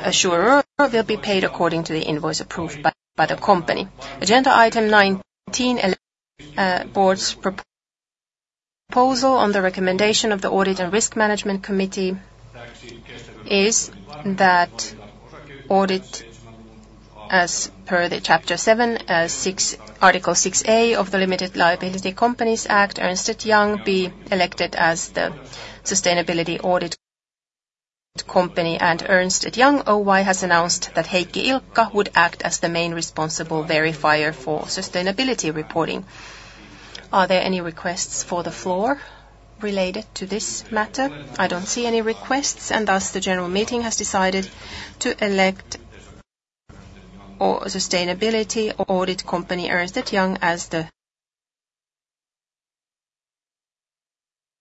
assurer will be paid according to the invoice approved by the company. Agenda item 19, board's proposal on the recommendation of the Audit and Risk Management Committee, is that audit as per Chapter 7, Article 6 A of the Limited Liability Companies Act, Ernst & Young be elected as the sustainability audit company, and Ernst & Young Oy has announced that Heikki Ilkka would act as the main responsible verifier for sustainability reporting. Are there any requests for the floor related to this matter? I don't see any requests, and thus, the general meeting has decided to elect our sustainability audit company, Ernst & Young, as the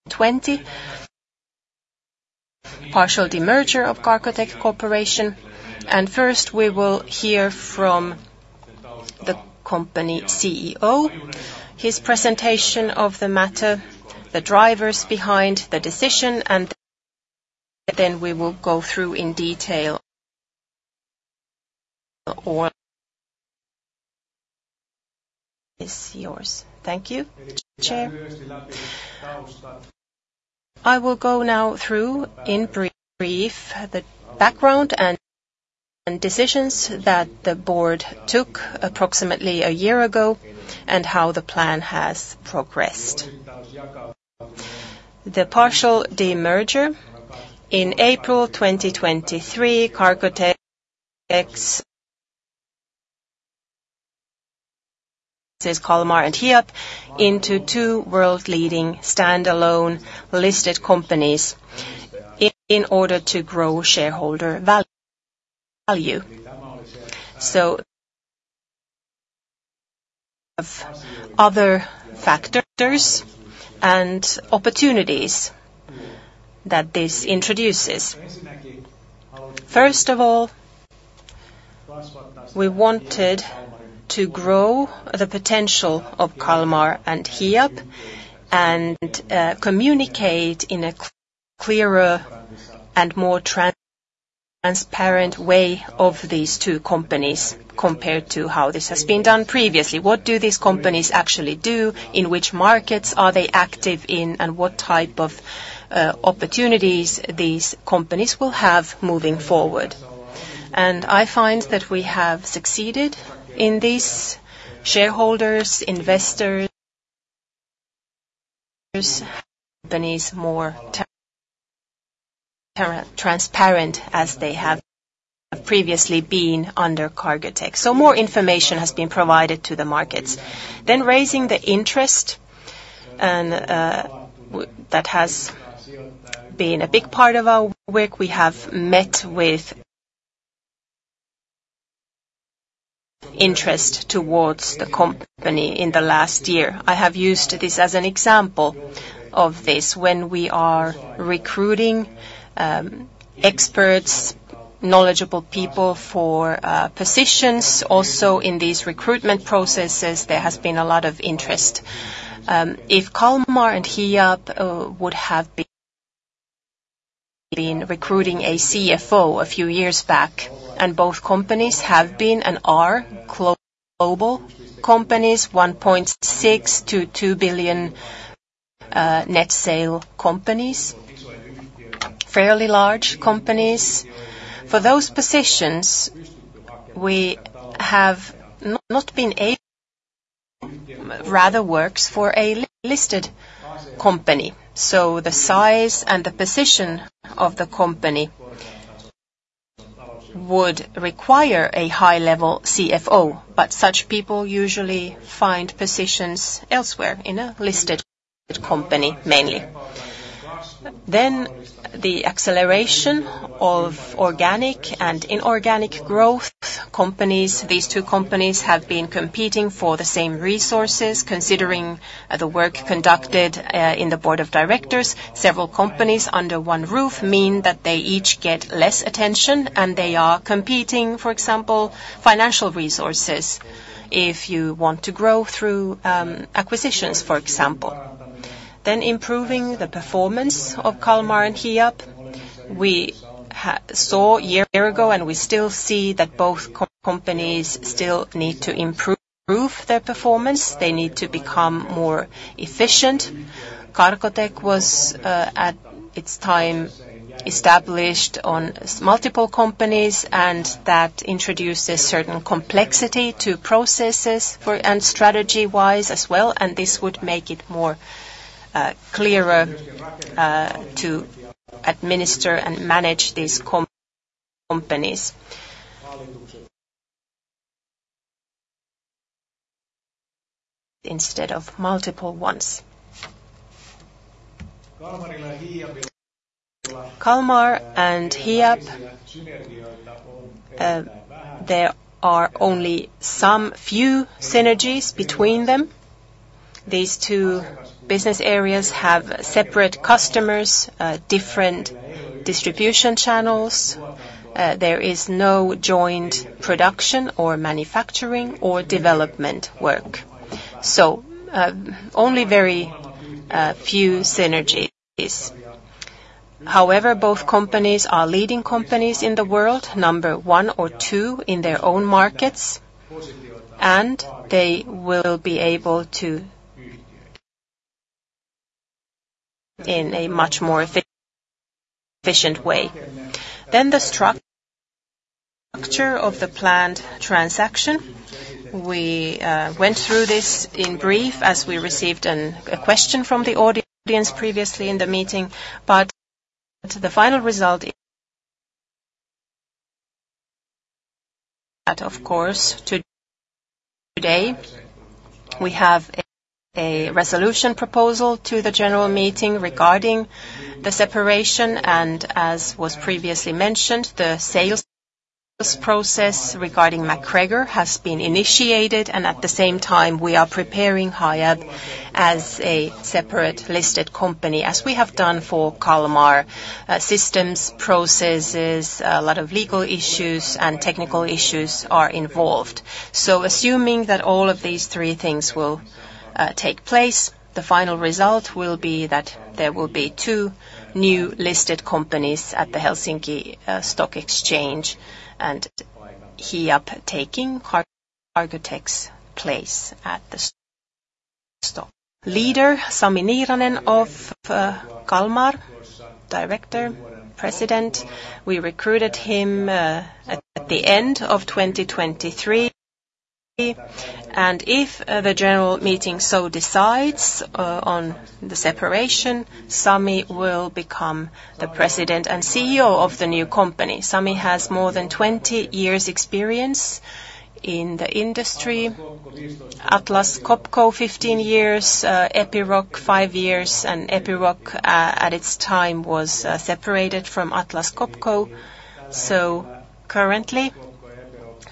2023 partial demerger of Cargotec Corporation, and first, we will hear from the Company CEO, his presentation of the matter, the drivers behind the decision, and then we will go through in detail on this. The floor is yours. Thank you, Chair. I will go now through, in brief, the background and decisions that the board took approximately a year ago, and how the plan has progressed. The partial demerger: in April 2023, Cargotec plans to demerge Kalmar and Hiab into two world-leading standalone listed companies in order to grow shareholder value. So, other factors and opportunities that this introduces. First of all, we wanted to grow the potential of Kalmar and Hiab, and communicate in a clearer and more transparent way of these two companies, compared to how this has been done previously. What do these companies actually do? In which markets are they active in? And what type of opportunities these companies will have moving forward? And I find that we have succeeded in this. Shareholders, investors, companies, more transparent as they have previously been under Cargotec. So more information has been provided to the markets. Then raising the interest, and that has been a big part of our work. We have met with interest towards the company in the last year. I have used this as an example of this. When we are recruiting experts, knowledgeable people for positions, also in these recruitment processes, there has been a lot of interest. If Kalmar and Hiab would have been recruiting a CFO a few years back, and both companies have been and are global companies, 1.6 billion-2 billion net sales companies, fairly large companies. For those positions, we have not been able... Rather works for a listed company. So the size and the position of the company would require a high-level CFO, but such people usually find positions elsewhere in a listed company, mainly. Then the acceleration of organic and inorganic growth companies, these two companies have been competing for the same resources. Considering the work conducted in the board of directors, several companies under one roof mean that they each get less attention, and they are competing, for example, financial resources, if you want to grow through acquisitions, for example. Then improving the performance of Kalmar and Hiab. We saw a year ago, and we still see that both companies still need to improve their performance. They need to become more efficient. Cargotec was at times established on multiple companies, and that introduces certain complexity to processes and strategy-wise as well, and this would make it more clearer to administer and manage these companies. Instead of multiple ones. Kalmar and Hiab, there are only some few synergies between them. These two business areas have separate customers, different distribution channels, there is no joint production or manufacturing or development work. So, only very few synergies. However, both companies are leading companies in the world, number one or two in their own markets, and they will be able to ... in a much more efficient way. Then the structure of the planned transaction. We went through this in brief as we received a question from the audience previously in the meeting, but the final result is that, of course, today, we have a resolution proposal to the general meeting regarding the separation, and as was previously mentioned, the sales process regarding MacGregor has been initiated, and at the same time, we are preparing Hiab as a separate listed company, as we have done for Kalmar. Systems, processes, a lot of legal issues, and technical issues are involved. So assuming that all of these three things will take place, the final result will be that there will be two new listed companies at the Helsinki Stock Exchange, and Hiab taking Cargotec's place at the stock. Leader, Sami Niiranen, of Kalmar, director, president, we recruited him at the end of 2023. If the general meeting so decides, on the separation, Sami will become the President and CEO of the new company. Sami has more than 20 years' experience in the industry. Atlas Copco, 15 years, Epiroc, 5 years, and Epiroc, at its time, was separated from Atlas Copco. Currently,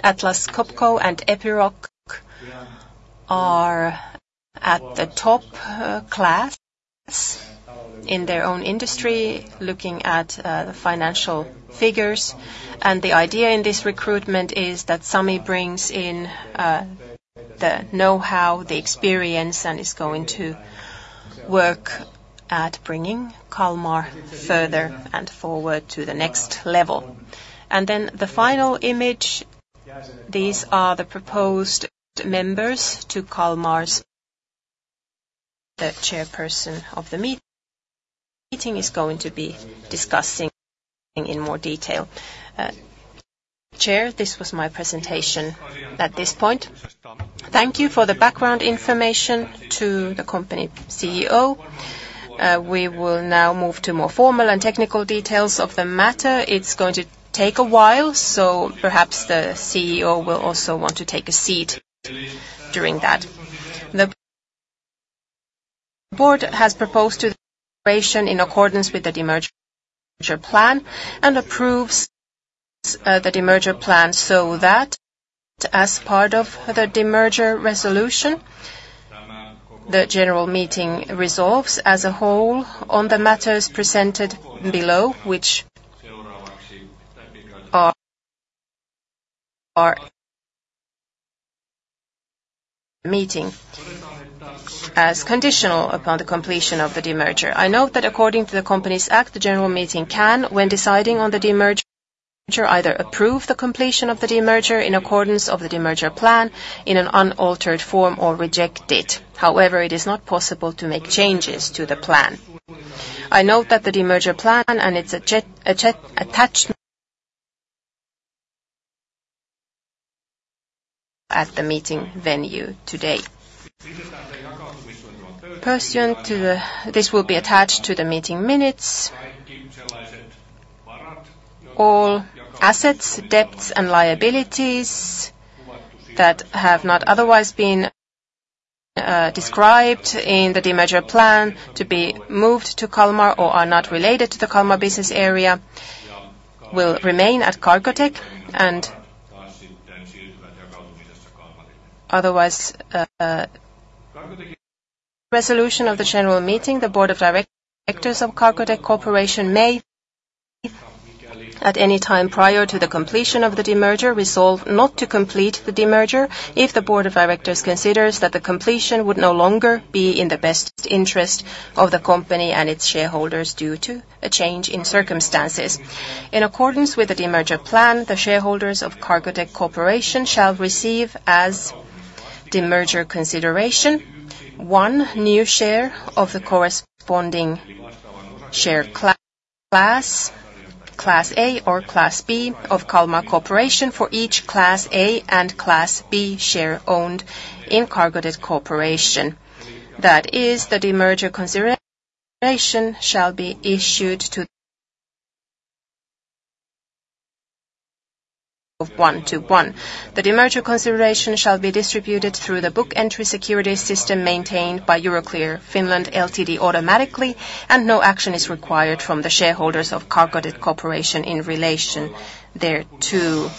Atlas Copco and Epiroc are at the top class in their own industry, looking at the financial figures. The idea in this recruitment is that Sami brings in the know-how, the experience, and is going to work at bringing Kalmar further and forward to the next level. Then the final image, these are the proposed members to Kalmar's... The chairperson of the meeting is going to be discussing in more detail. Chair, this was my presentation at this point. Thank you for the background information to the company CEO. We will now move to more formal and technical details of the matter. It's going to take a while, so perhaps the CEO will also want to take a seat during that. The Board has proposed to the operation in accordance with the demerger plan and approves the demerger plan so that as part of the demerger resolution, the general meeting resolves as a whole on the matters presented below, which are conditional upon the completion of the demerger. I note that according to the Companies Act, the general meeting can, when deciding on the demerger, either approve the completion of the demerger in accordance with the demerger plan in an unaltered form or reject it. However, it is not possible to make changes to the plan. I note that the demerger plan and its attachments at the meeting venue today. Pursuant to the, this will be attached to the meeting minutes. All assets, debts, and liabilities that have not otherwise been described in the demerger plan to be moved to Kalmar or are not related to the Kalmar business area, will remain at Cargotec, and otherwise, resolution of the general meeting, the board of directors of Cargotec Corporation may, at any time prior to the completion of the demerger, resolve not to complete the demerger if the board of directors considers that the completion would no longer be in the best interest of the company and its shareholders due to a change in circumstances. In accordance with the demerger plan, the shareholders of Cargotec Corporation shall receive as-... the demerger consideration, one new share of the corresponding share class, Class A or Class B, of Kalmar Corporation for each Class A and Class B share owned in Cargotec Corporation. That is, the demerger consideration shall be issued on a 1 to 1 basis. The demerger consideration shall be distributed through the book-entry security system maintained by Euroclear Finland automatically, and no action is required from the shareholders of Cargotec Corporation in relation thereto.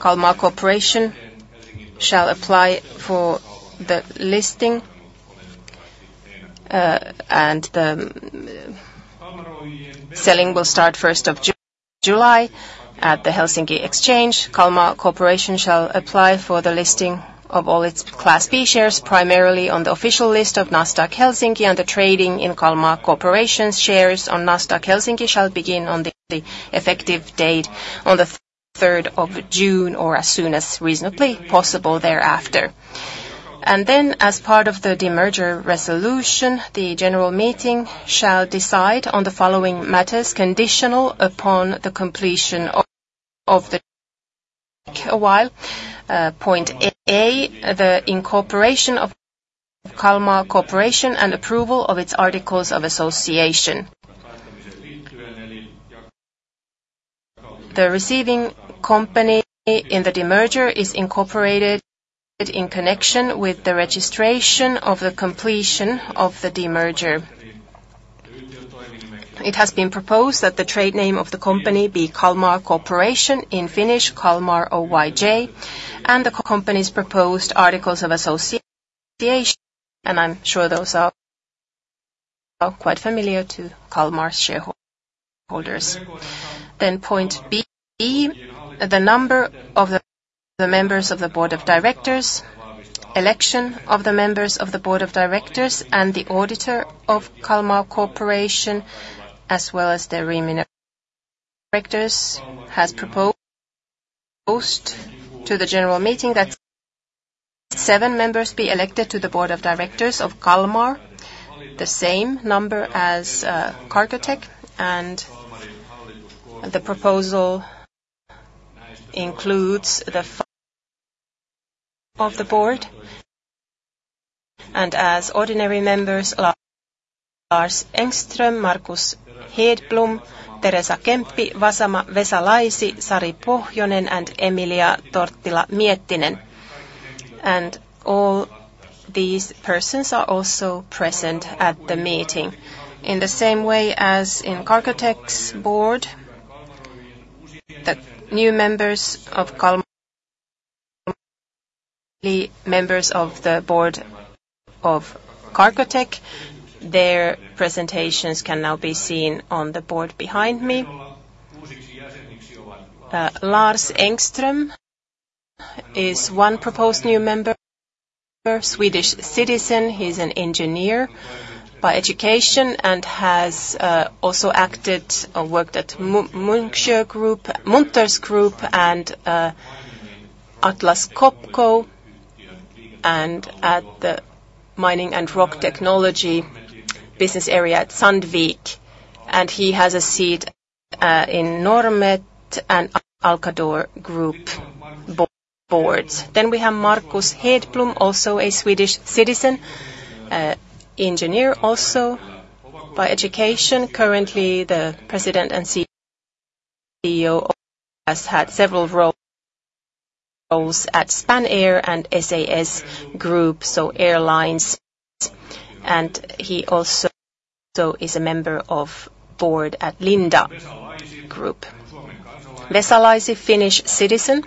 Kalmar Corporation shall apply for the listing, and the trading will start the first of July at Nasdaq Helsinki. Kalmar Corporation shall apply for the listing of all its Class B shares, primarily on the official list of Nasdaq Helsinki, and the trading in Kalmar Corporation's shares on Nasdaq Helsinki shall begin on the effective date on the third of June, or as soon as reasonably possible thereafter. And then, as part of the demerger resolution, the general meeting shall decide on the following matters, conditional upon the completion of the demerger. Point A, the incorporation of Kalmar Corporation and approval of its articles of association. The receiving company in the demerger is incorporated in connection with the registration of the completion of the demerger. It has been proposed that the trade name of the company be Kalmar Corporation in Finnish, Kalmar Oyj, and the company's proposed articles of association. And I'm sure those are, are quite familiar to Kalmar shareholders. Then point B, the number of the members of the board of directors, election of the members of the board of directors, and the auditor of Kalmar Corporation, as well as their remuneration. Directors, has proposed to the general meeting that seven members be elected to the board of directors of Kalmar, the same number as Cargotec, and the proposal includes the of the board, and as ordinary members, Lars Engström, Marcus Hedblom, Teresa Kemppi, Vesa Laisi, Sari Pohjonen, and Emilia Torttila-Miettinen. All these persons are also present at the meeting. In the same way as in Cargotec's board, the new members of Kalmar, members of the board of Cargotec, their presentations can now be seen on the board behind me. Lars Engström is one proposed new member, Swedish citizen. He's an engineer by education and has also acted or worked at Munksjö Group, Munters Group, and Atlas Copco, and at the mining and rock technology business area at Sandvik. He has a seat in Normet and Alcadon Group boards. Then we have Marcus Hedblom, also a Swedish citizen, engineer, also by education, currently the President and CEO, has had several roles at Spanair and SAS Group, so airlines, and he also is a member of board at Lindab Group. Vesa Laisi, Finnish citizen,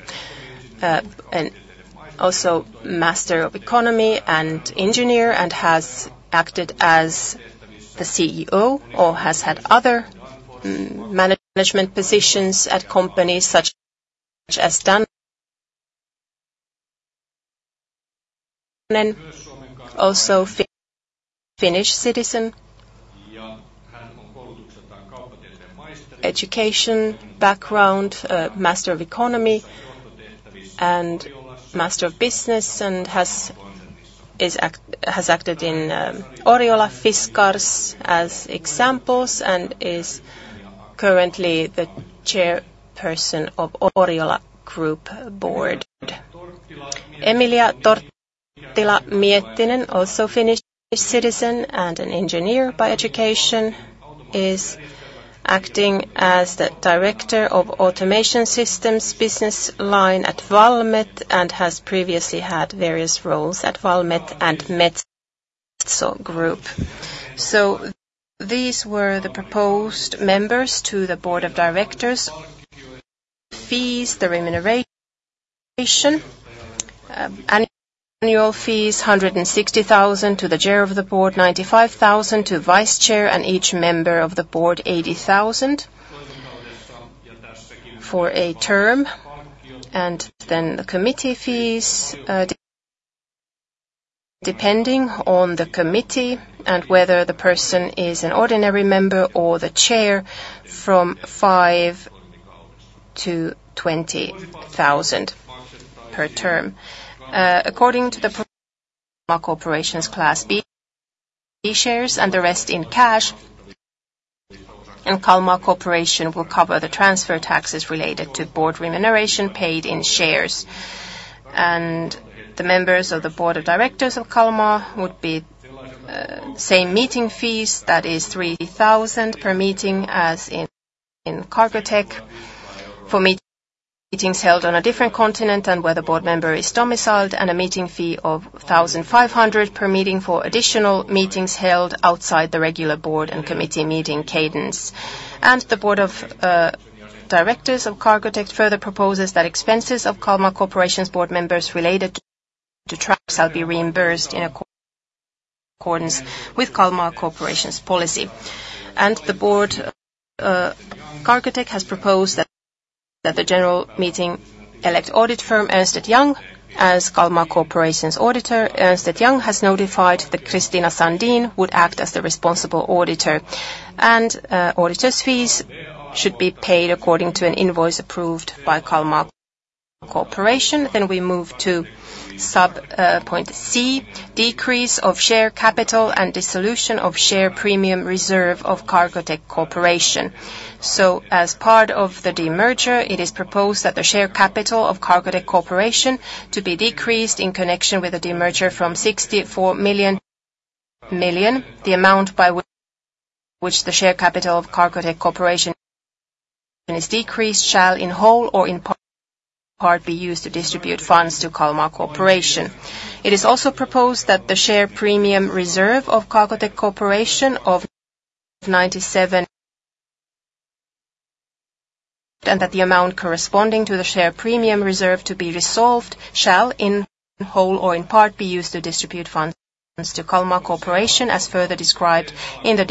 and also Master of Economy and engineer, and has acted as the CEO or has had other management positions at companies such as Danfoss. Also Finnish citizen. Education background, Master of Economy and Master of Business, and has acted in Oriola, Fiskars as examples, and is currently the chairperson of Oriola board. Emilia Torttila-Miettinen, also Finnish citizen and an engineer by education, is acting as the Director of Automation Systems business line at Valmet, and has previously had various roles at Valmet and Metsä Group. So these were the proposed members to the board of directors. Fees, the remuneration, annual fees, 160,000 to the Chair of the Board, 95,000 to the Vice Chair, and each member of the Board, 80,000 for a term. Then the committee fees, depending on the committee and whether the person is an ordinary member or the Chair, from 5,000 to 20,000 per term. According to the corporation's Class B shares, and the rest in cash, and Kalmar Corporation will cover the transfer taxes related to board remuneration paid in shares. And the members of the Board of Directors of Kalmar would be, same meeting fees, that is 3,000 per meeting, as in Cargotec. For meetings held on a different continent and where the board member is domiciled, and a meeting fee of 1,500 per meeting for additional meetings held outside the regular board and committee meeting cadence. The board of directors of Cargotec further proposes that expenses of Kalmar Corporation's board members related to trips shall be reimbursed in accordance with Kalmar Corporation's policy. The board of Cargotec has proposed that the general meeting elect audit firm Ernst & Young as Kalmar Corporation's auditor. Ernst & Young has notified that Kristina Sandin would act as the responsible auditor, and auditor's fees should be paid according to an invoice approved by Kalmar Corporation. Then we move to subpoint C, decrease of share capital and dissolution of share premium reserve of Cargotec Corporation. So as part of the demerger, it is proposed that the share capital of Cargotec Corporation be decreased in connection with the demerger from 64 million, the amount by which the share capital of Cargotec Corporation is decreased, shall in whole or in part be used to distribute funds to Kalmar Corporation. It is also proposed that the share premium reserve of Cargotec Corporation of EUR 97 million and that the amount corresponding to the share premium reserve to be dissolved shall, in whole or in part, be used to distribute funds to Kalmar Corporation, as further described in the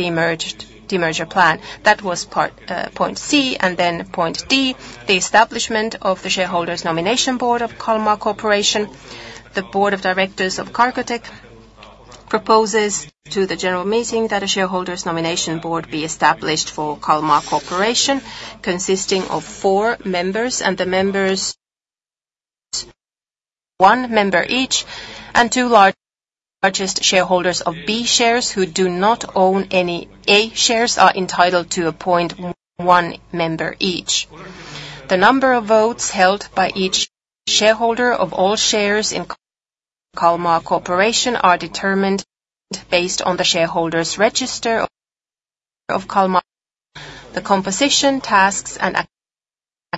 demerger plan. That was part point C, and then point D, the establishment of the shareholders nomination board of Kalmar Corporation. The board of directors of Cargotec proposes to the general meeting that a shareholders' nomination board be established for Kalmar Corporation, consisting of four members, and the members one member each, and two largest shareholders of B shares who do not own any A shares, are entitled to appoint one member each. The number of votes held by each shareholder of all shares in Kalmar Corporation are determined based on the shareholders' register of Kalmar. The composition, tasks, and activities of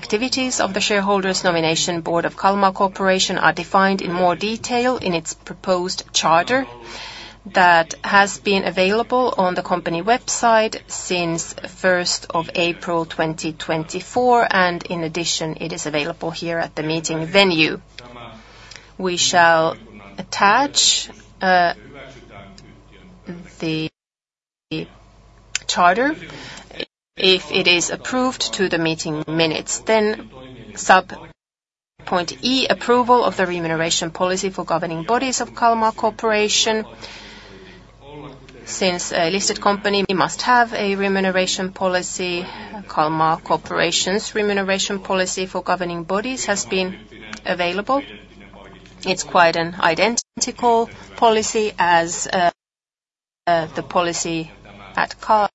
the shareholders' nomination board of Kalmar Corporation are defined in more detail in its proposed charter, that has been available on the company website since first of April, 2024, and in addition, it is available here at the meeting venue. We shall attach the charter if it is approved to the meeting minutes. Then sub point E, approval of the remuneration policy for governing bodies of Kalmar Corporation. Since a listed company, we must have a remuneration policy. Kalmar Corporation's remuneration policy for governing bodies has been available. It's quite an identical policy as the policy at Cargotec,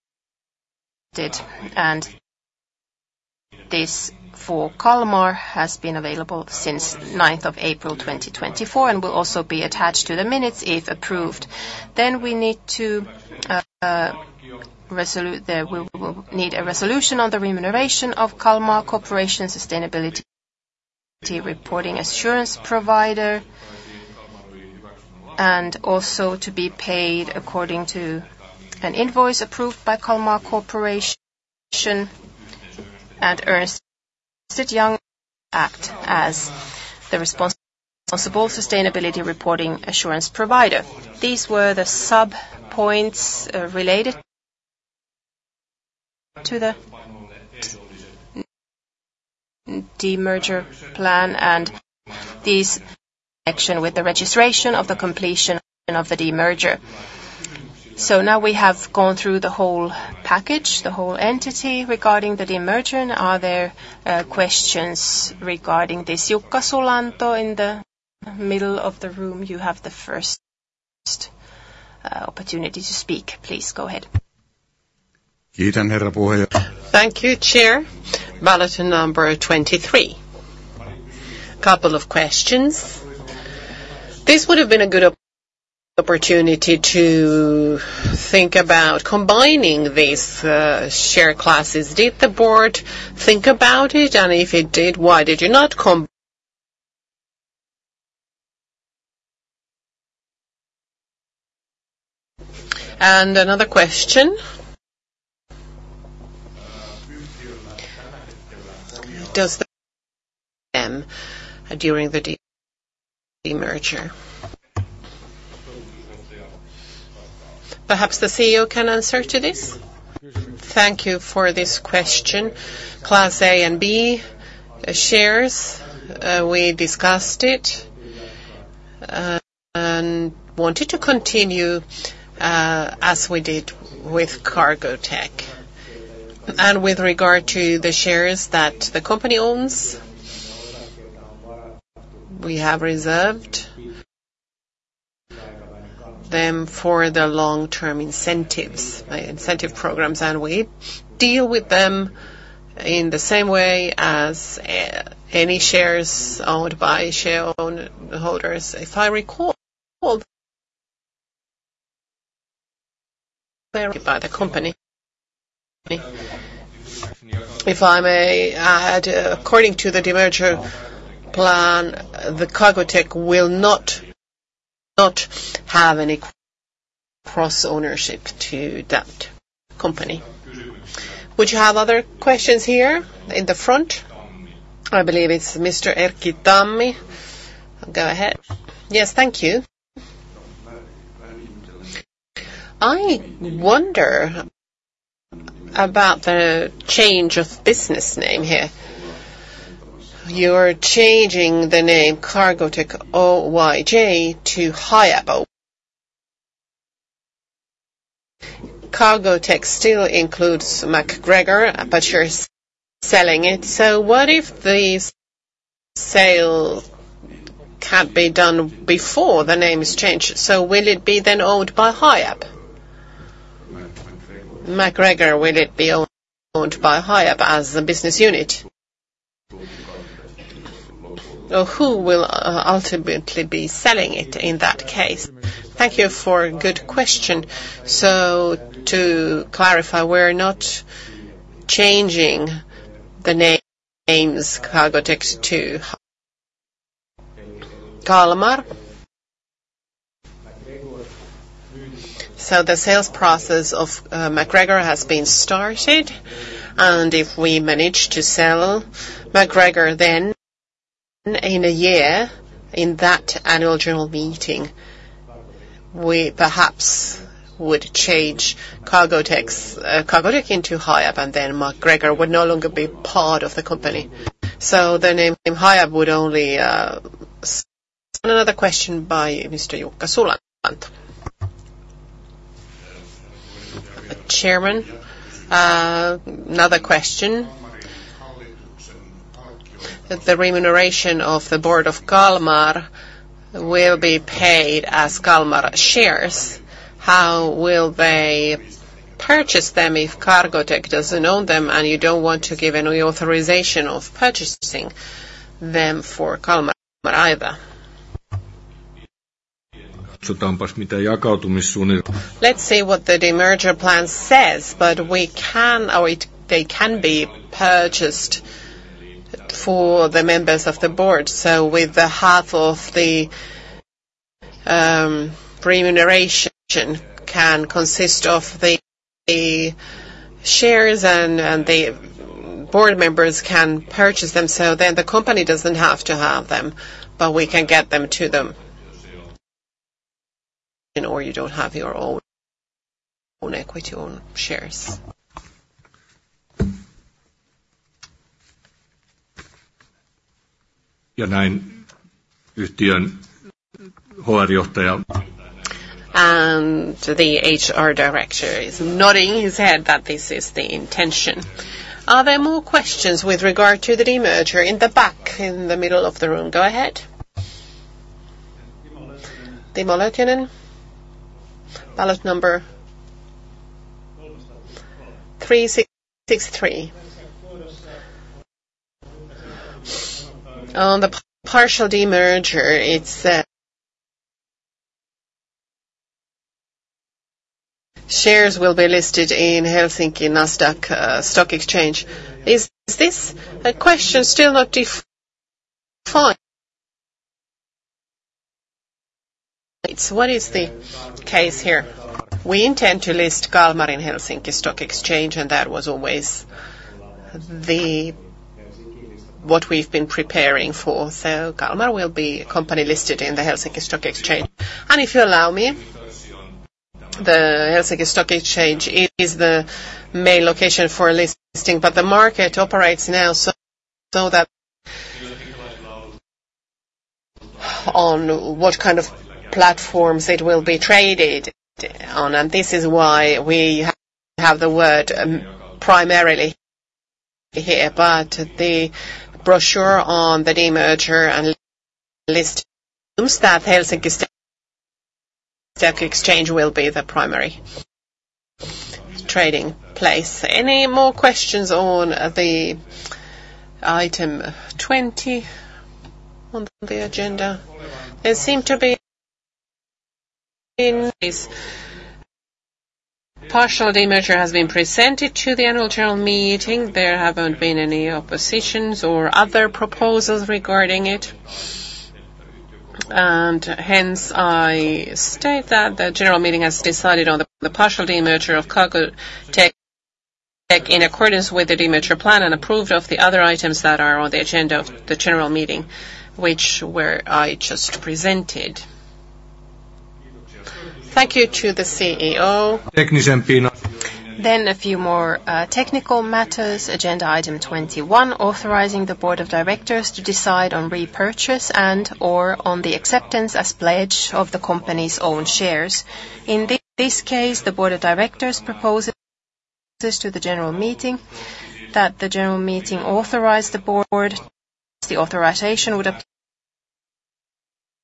and this for Kalmar has been available since ninth of April, twenty twenty-four, and will also be attached to the minutes, if approved. Then we need to there we will need a resolution on the remuneration of Kalmar Corporation sustainability reporting assurance provider, and also to be paid according to an invoice approved by Kalmar Corporation, and Ernst & Young act as the responsible, responsible sustainability reporting assurance provider. These were the sub points related to the... demerger plan, and these in connection with the registration of the completion of the demerger. Now we have gone through the whole package, the whole entity regarding the demerger. Are there questions regarding this? Jukka Sulanto, in the middle of the room, you have the first opportunity to speak. Please, go ahead. Thank you, Chair. Ballot number 23. Couple of questions. This would have been a good opportunity to think about combining these share classes. Did the board think about it? And if it did, why did you not combine? And another question... during the demerger? Perhaps the CEO can answer to this. Thank you for this question. Class A and B shares, we discussed it.... and wanted to continue, as we did with Cargotec. And with regard to the shares that the company owns, we have reserved them for the long-term incentives, incentive programs, and we deal with them in the same way as, any shares owned by shareholders. If I recall, by the company. If I may add, according to the demerger plan, Cargotec will not have any cross-ownership to that company. Would you have other questions here in the front? I believe it's Mr. Erkki Tammi. Go ahead. Yes, thank you. I wonder about the change of business name here. You're changing the name Cargotec Oyj to Hiab. Cargotec still includes MacGregor, but you're selling it. So what if the sale can't be done before the name is changed? So will it be then owned by Hiab? MacGregor, will it be owned by Hiab as a business unit? Or who will ultimately be selling it in that case? Thank you for a good question. So to clarify, we're not changing the names Cargotec to Kalmar. So the sales process of MacGregor has been started, and if we manage to sell MacGregor then in a year, in that annual general meeting, we perhaps would change Cargotec's Cargotec into Hiab, and then MacGregor would no longer be part of the company. So the name Hiab would only... Another question by Mr. Jukka Sulanto. Chairman, another question. The remuneration of the board of Kalmar will be paid as Kalmar shares. How will they purchase them if Cargotec doesn't own them, and you don't want to give any authorization of purchasing them for Kalmar either? Let's see what the demerger plan says, but we can or they can be purchased for the members of the board. So with the half of the, remuneration can consist of the, the shares and, and the board members can purchase them. So then the company doesn't have to have them, but we can get them to them. Or you don't have your own, own equity, own shares. And the HR director is nodding his head that this is the intention. Are there more questions with regard to the demerger? In the back, in the middle of the room. Go ahead. Timo Laine, ballot number 3663. On the partial demerger, it's shares will be listed in Helsinki, Nasdaq, Stock Exchange. Is this a question still not defined? What is the case here? We intend to list Kalmar on Nasdaq Helsinki, and that was always the, what we've been preparing for. So Kalmar will be a company listed on Nasdaq Helsinki. And if you allow me, Nasdaq Helsinki is the main location for listing, but the market operates now, so that on what kind of platforms it will be traded on, and this is why we have the word primarily here. But the brochure on the demerger and listing on Nasdaq Helsinki will be the primary trading place. Any more questions on item 20 on the agenda? There seem to be in this. Partial demerger has been presented to the annual general meeting. There haven't been any oppositions or other proposals regarding it. Hence, I state that the general meeting has decided on the partial demerger of Cargotec in accordance with the demerger plan and approved of the other items that are on the agenda of the general meeting, which I just presented. ... Thank you to the CEO. Then a few more technical matters. Agenda item 21, authorizing the Board of Directors to decide on repurchase and/or on the acceptance as pledge of the company's own shares. In this case, the Board of Directors proposes to the General Meeting that the General Meeting authorize the Board. The authorization would apply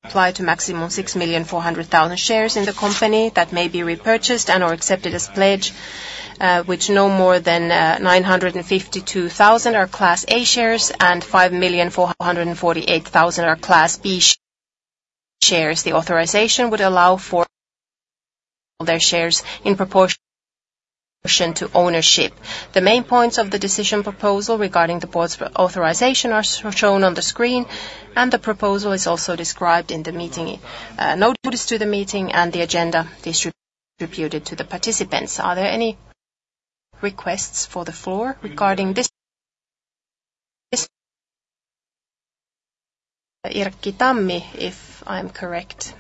to a maximum of 6,400,000 shares in the company that may be repurchased and/or accepted as pledge, which no more than 952,000 are Class A shares and 5,448,000 are Class B shares. The authorization would allow for their shares in proportion to ownership. The main points of the decision proposal regarding the Board's authorization are shown on the screen, and the proposal is also described in the meeting. No notice to the meeting and the agenda distributed to the participants. Are there any requests for the floor regarding this? Erkki Tammi, if I'm correct.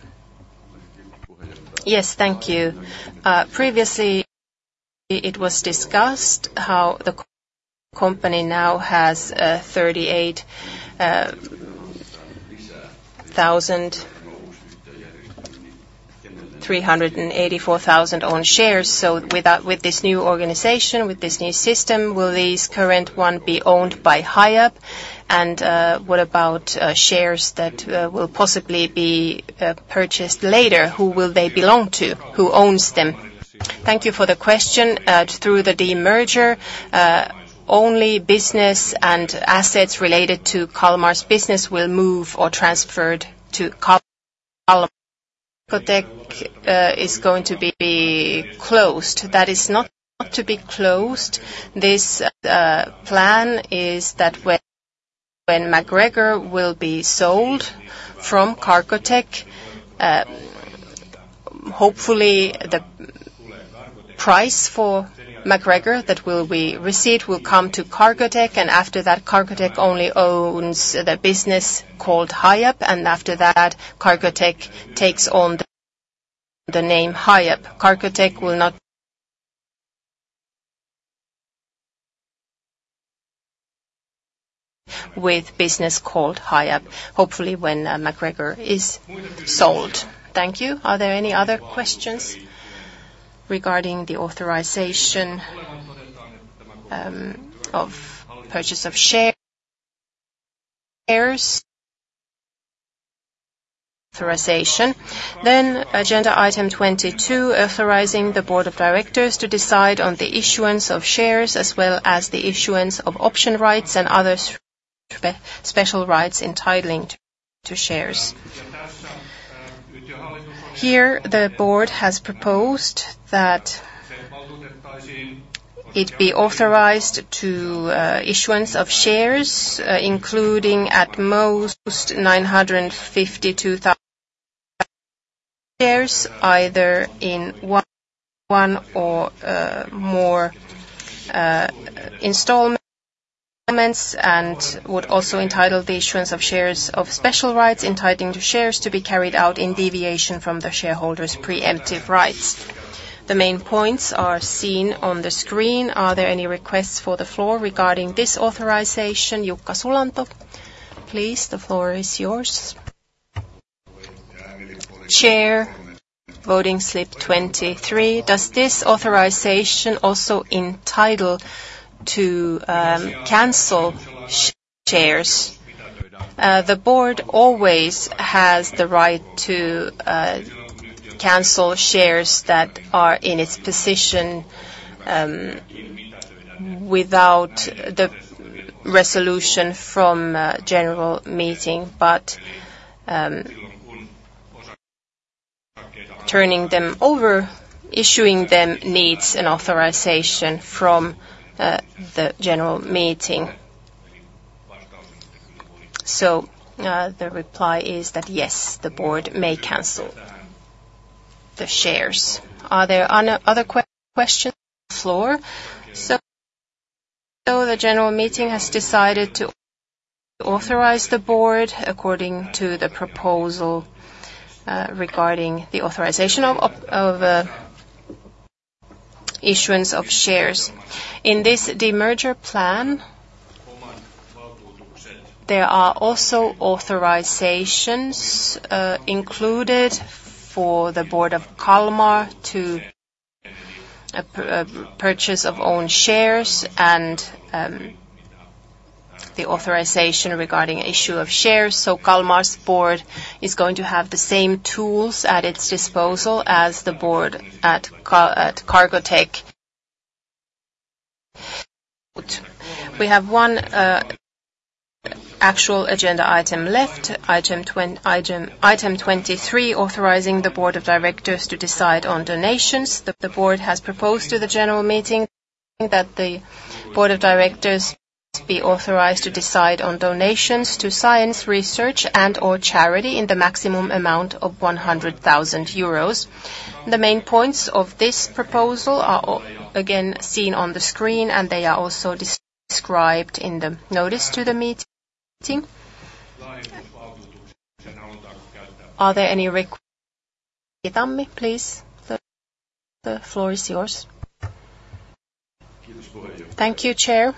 Yes, thank you. Previously, it was discussed how the company now has 38,384 own shares. So with that, with this new organization, with this new system, will these current one be owned by Hiab? And, what about, shares that, will possibly be, purchased later? Who will they belong to? Who owns them? Thank you for the question. Through the demerger, only business and assets related to Kalmar's business will move or transferred to Kalmar. Cargotec is going to be closed. That is not to be closed. This plan is that when MacGregor will be sold from Cargotec, hopefully, the price for MacGregor that will be received will come to Cargotec, and after that, Cargotec only owns the business called Hiab, and after that, Cargotec takes on the name Hiab. Cargotec will not... With business called Hiab, hopefully when MacGregor is sold. Thank you. Are there any other questions regarding the authorization of purchase of shares? Authorization. Then agenda item 22, authorizing the board of directors to decide on the issuance of shares, as well as the issuance of option rights and other special rights entitling to shares. Here, the board has proposed that it be authorized to issuance of shares, including at most 952,000 shares, either in one or more installments, and would also entitle the issuance of shares of special rights entitling to shares to be carried out in deviation from the shareholders' preemptive rights. The main points are seen on the screen. Are there any requests for the floor regarding this authorization? Jukka Sulanto, please, the floor is yours. Chair, voting slip 23. Does this authorization also entitle to cancel shares? The board always has the right to cancel shares that are in its position without the resolution from a general meeting, but turning them over, issuing them needs an authorization from the general meeting. So, the reply is that, yes, the board may cancel the shares. Are there any other questions on the floor? So the general meeting has decided to authorize the board according to the proposal regarding the authorization of issuance of shares. In this demerger plan, there are also authorizations included for the board of Kalmar to purchase of own shares and the authorization regarding issue of shares. So Kalmar's board is going to have the same tools at its disposal as the board at Cargotec. We have one actual agenda item left, item 23, authorizing the board of directors to decide on donations. The board has proposed to the general meeting that the board of directors be authorized to decide on donations to science, research, and/or charity in the maximum amount of 100,000 euros. The main points of this proposal are, again, seen on the screen, and they are also described in the notice to the meeting. Are there any requests? Tammi, please, the floor is yours. Thank you, Chair.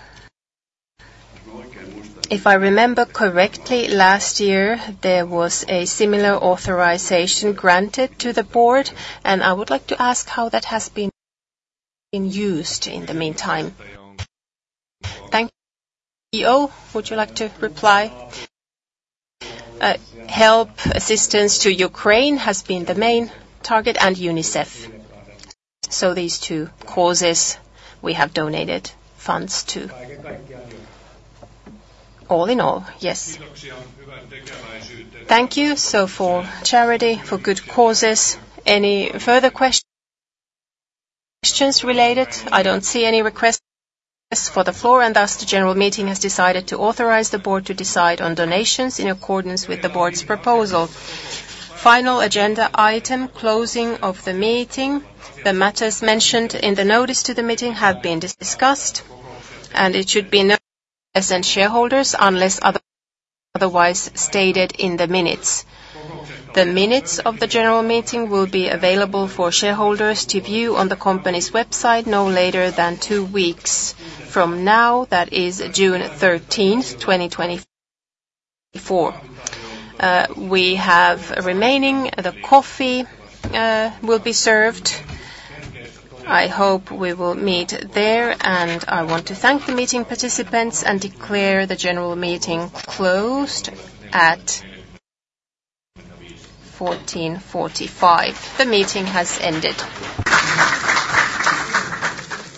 If I remember correctly, last year, there was a similar authorization granted to the board, and I would like to ask how that has been used in the meantime. Thank you. CEO, would you like to reply? Help, assistance to Ukraine has been the main target, and UNICEF. So these two causes we have donated funds to. All in all, yes. Thank you. So for charity, for good causes. Any further questions, questions related? I don't see any requests for the floor, and thus the general meeting has decided to authorize the board to decide on donations in accordance with the board's proposal. Final agenda item, closing of the meeting. The matters mentioned in the notice to the meeting have been discussed, and it should be noted as shareholders, unless otherwise stated in the minutes. The minutes of the general meeting will be available for shareholders to view on the company's website no later than two weeks from now, that is June 13, 2024. We have remaining, the coffee, will be served. I hope we will meet there, and I want to thank the meeting participants, and declare the general meeting closed at 2:45 P.M. The meeting has ended.